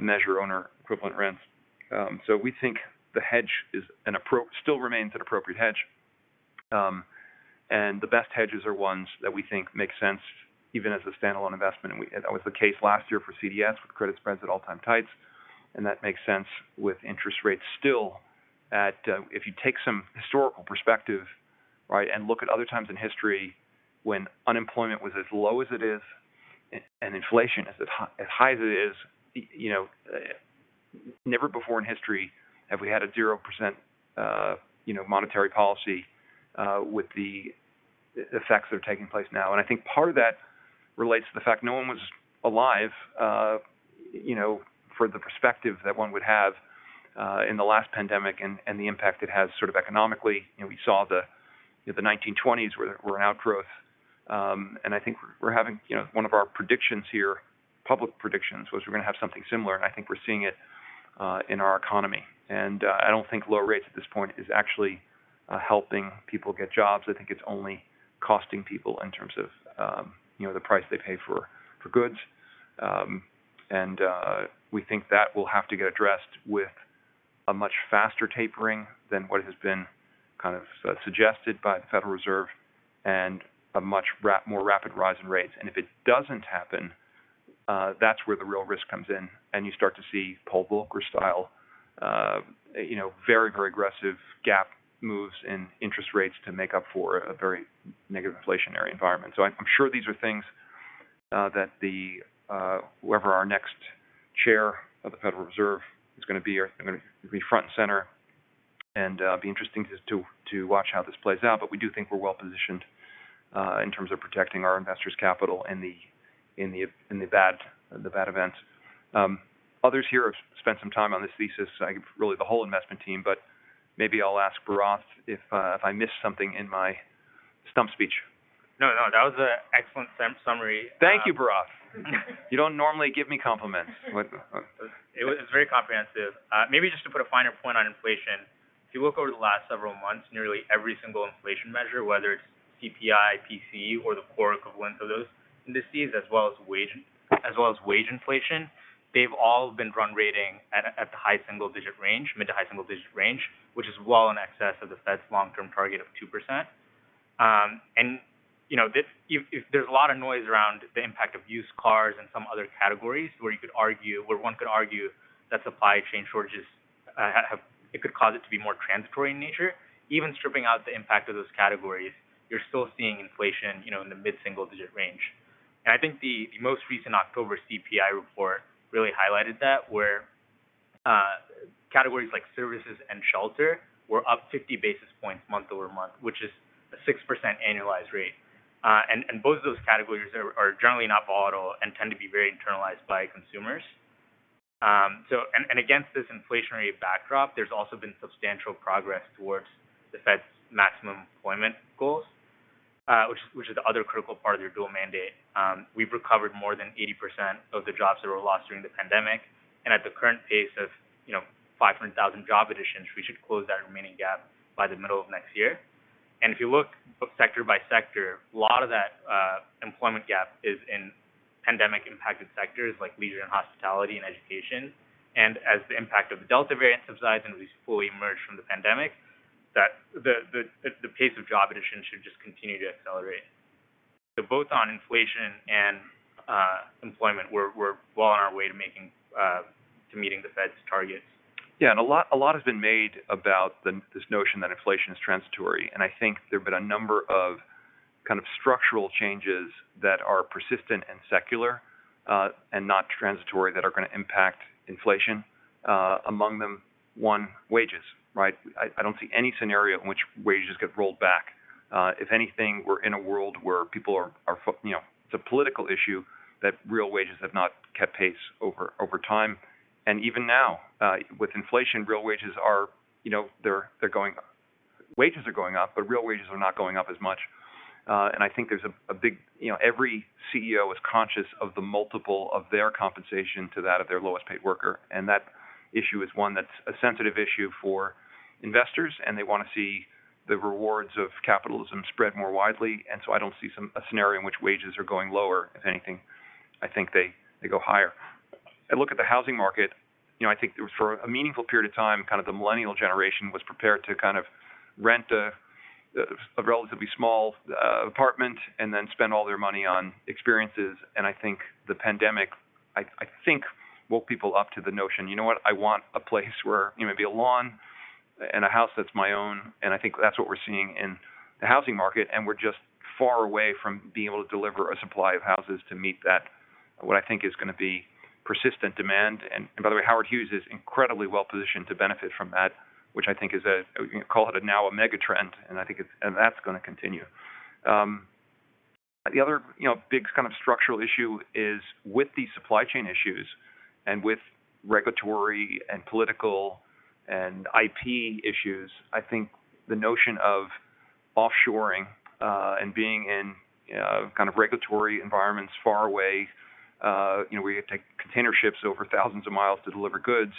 measure owners' equivalent rent. So we think the hedge is an appropriate hedge still remains an appropriate hedge. The best hedges are ones that we think make sense even as a standalone investment. That was the case last year for CDS with credit spreads at all-time tights. That makes sense with interest rates still at. If you take some historical perspective, right, and look at other times in history when unemployment was as low as it is and inflation is as high as it is, you know, never before in history have we had a 0% monetary policy with the effects that are taking place now. I think part of that relates to the fact no one was alive for the perspective that one would have in the last pandemic and the impact it has sort of economically. You know, we saw the 1920s were an outgrowth. I think we're having. You know, one of our predictions here, public predictions, was we're gonna have something similar, and I think we're seeing it in our economy. I don't think low rates at this point is actually helping people get jobs. I think it's only costing people in terms of, you know, the price they pay for goods. We think that will have to get addressed with a much faster tapering than what has been kind of suggested by the Federal Reserve and a much more rapid rise in rates. If it doesn't happen, that's where the real risk comes in, and you start to see Paul Volcker style, you know, very, very aggressive gap moves in interest rates to make up for a very negative inflationary environment. I'm sure these are things that the whoever our next chair of the Federal Reserve is gonna be are gonna be front and center. Be interesting just to watch how this plays out. We do think we're well-positioned in terms of protecting our investors' capital in the bad events. Others here have spent some time on this thesis, I think really the whole investment team, but maybe I'll ask Bharath if I missed something in my stump speech. No, no, that was an excellent summary. Thank you, Bharath. You don't normally give me compliments, but. It was very comprehensive. Maybe just to put a finer point on inflation. If you look over the last several months, nearly every single inflation measure, whether it's CPI, PCE, or the core equivalents of those indices, as well as wage inflation, they've all been running at the high single digit range, mid- to high-single-digit range, which is well in excess of the Fed's long-term target of 2%. If there's a lot of noise around the impact of used cars and some other categories where one could argue that supply chain shortages it could cause it to be more transitory in nature. Even stripping out the impact of those categories, you're still seeing inflation in the mid-single-digit range. I think the most recent October CPI report really highlighted that, where categories like services and shelter were up 50 basis points month-over-month, which is a 6% annualized rate. Both of those categories are generally not volatile and tend to be very internalized by consumers. Against this inflationary backdrop, there's also been substantial progress towards the Fed's maximum employment goals, which is the other critical part of their dual mandate. We've recovered more than 80% of the jobs that were lost during the pandemic. At the current pace of, you know, 500,000 job additions, we should close that remaining gap by the middle of next year. If you look sector by sector, a lot of that employment gap is in pandemic impacted sectors like leisure and hospitality and education. As the impact of the Delta variant subsides and we fully emerge from the pandemic. That the pace of job addition should just continue to accelerate. Both on inflation and employment, we're well on our way to meeting the Fed's targets. Yeah. A lot has been made about this notion that inflation is transitory. I think there have been a number of kind of structural changes that are persistent and secular, and not transitory, that are gonna impact inflation. Among them, one, wages, right? I don't see any scenario in which wages get rolled back. If anything, we're in a world where people are you know, it's a political issue that real wages have not kept pace over time. Even now, with inflation, real wages are, you know, they're going. Wages are going up, but real wages are not going up as much. I think there's a big. You know, every CEO is conscious of the multiple of their compensation to that of their lowest paid worker, and that issue is one that's a sensitive issue for investors, and they wanna see the rewards of capitalism spread more widely. I don't see some scenario in which wages are going lower. If anything, I think they go higher. I look at the housing market. You know, I think for a meaningful period of time, kind of the millennial generation was prepared to kind of rent a relatively small apartment and then spend all their money on experiences. I think the pandemic, I think woke people up to the notion, you know what? I want a place where you know, maybe a lawn and a house that's my own. I think that's what we're seeing in the housing market, and we're just far away from being able to deliver a supply of houses to meet that, what I think is gonna be persistent demand. By the way, Howard Hughes is incredibly well-positioned to benefit from that, which I think is a, call it now a mega trend, and I think it's and that's gonna continue. The other, you know, big kind of structural issue is with these supply chain issues and with regulatory and political and IP issues, I think the notion of offshoring, and being in, kind of regulatory environments far away, you know, where you have to take container ships over thousands of miles to deliver goods,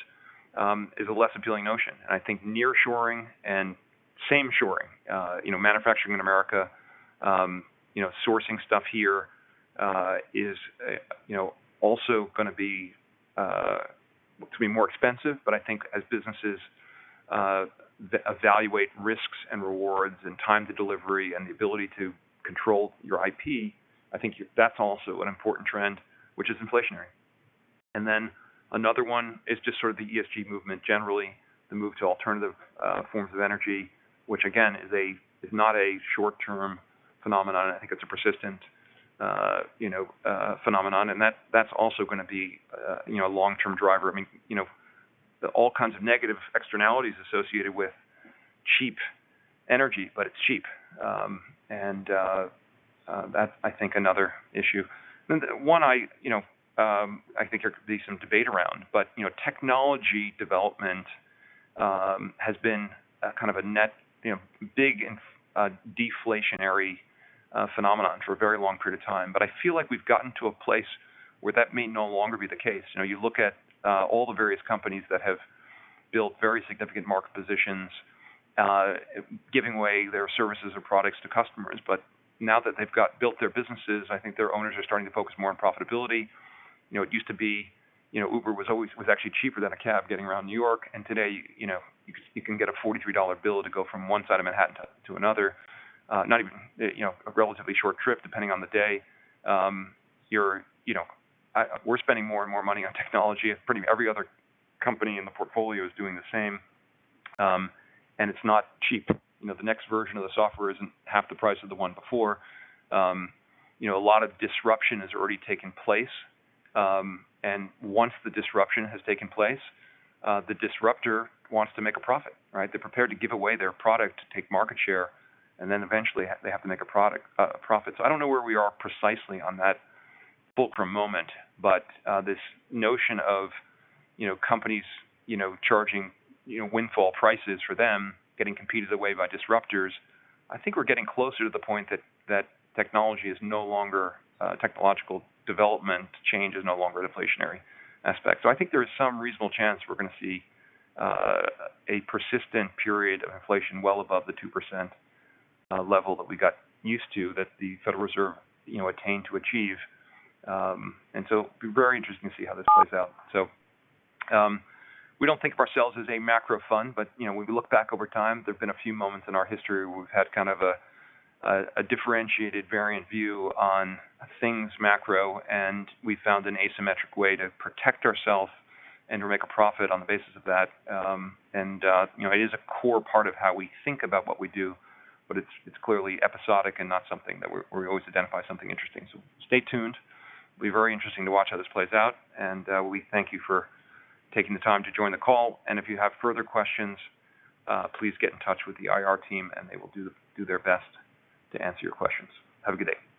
is a less appealing notion. I think nearshoring and sameshoring, you know, manufacturing in America, you know, sourcing stuff here, is also gonna be more expensive. I think as businesses evaluate risks and rewards and time to delivery and the ability to control your IP, I think that's also an important trend, which is inflationary. Another one is just sort of the ESG movement, generally, the move to alternative forms of energy, which again is not a short-term phenomenon. I think it's a persistent phenomenon, and that's also gonna be a long-term driver. I mean, you know, all kinds of negative externalities associated with cheap energy, but it's cheap. That's I think another issue. I think there could be some debate around. You know, technology development has been a kind of a net big and deflationary phenomenon for a very long period of time. I feel like we've gotten to a place where that may no longer be the case. You know, you look at all the various companies that have built very significant market positions giving away their services or products to customers. Now that they've got built their businesses, I think their owners are starting to focus more on profitability. You know, it used to be Uber was actually cheaper than a cab getting around New York. Today, you know, you can get a $43 bill to go from one side of Manhattan to another, not even, you know, a relatively short trip, depending on the day. You're, you know. We're spending more and more money on technology. Pretty much every other company in the portfolio is doing the same, and it's not cheap. You know, the next version of the software isn't half the price of the one before. You know, a lot of disruption has already taken place. Once the disruption has taken place, the disruptor wants to make a profit, right? They're prepared to give away their product to take market share, and then eventually they have to make a profit. I don't know where we are precisely on that fulcrum moment, but this notion of, you know, companies, you know, charging, you know, windfall prices for them getting competed away by disruptors. I think we're getting closer to the point that technology is no longer, technological development change is no longer an inflationary aspect. I think there is some reasonable chance we're gonna see a persistent period of inflation well above the 2% level that we got used to, that the Federal Reserve, you know, attained to achieve. It'll be very interesting to see how this plays out. We don't think of ourselves as a macro fund, but, you know, when we look back over time, there have been a few moments in our history where we've had kind of a differentiated variant view on things macro, and we found an asymmetric way to protect ourselves and to make a profit on the basis of that. You know, it is a core part of how we think about what we do, but it's clearly episodic and not something that we always identify something interesting. Stay tuned. It'll be very interesting to watch how this plays out. We thank you for taking the time to join the call. If you have further questions, please get in touch with the IR team, and they will do their best to answer your questions. Have a good day.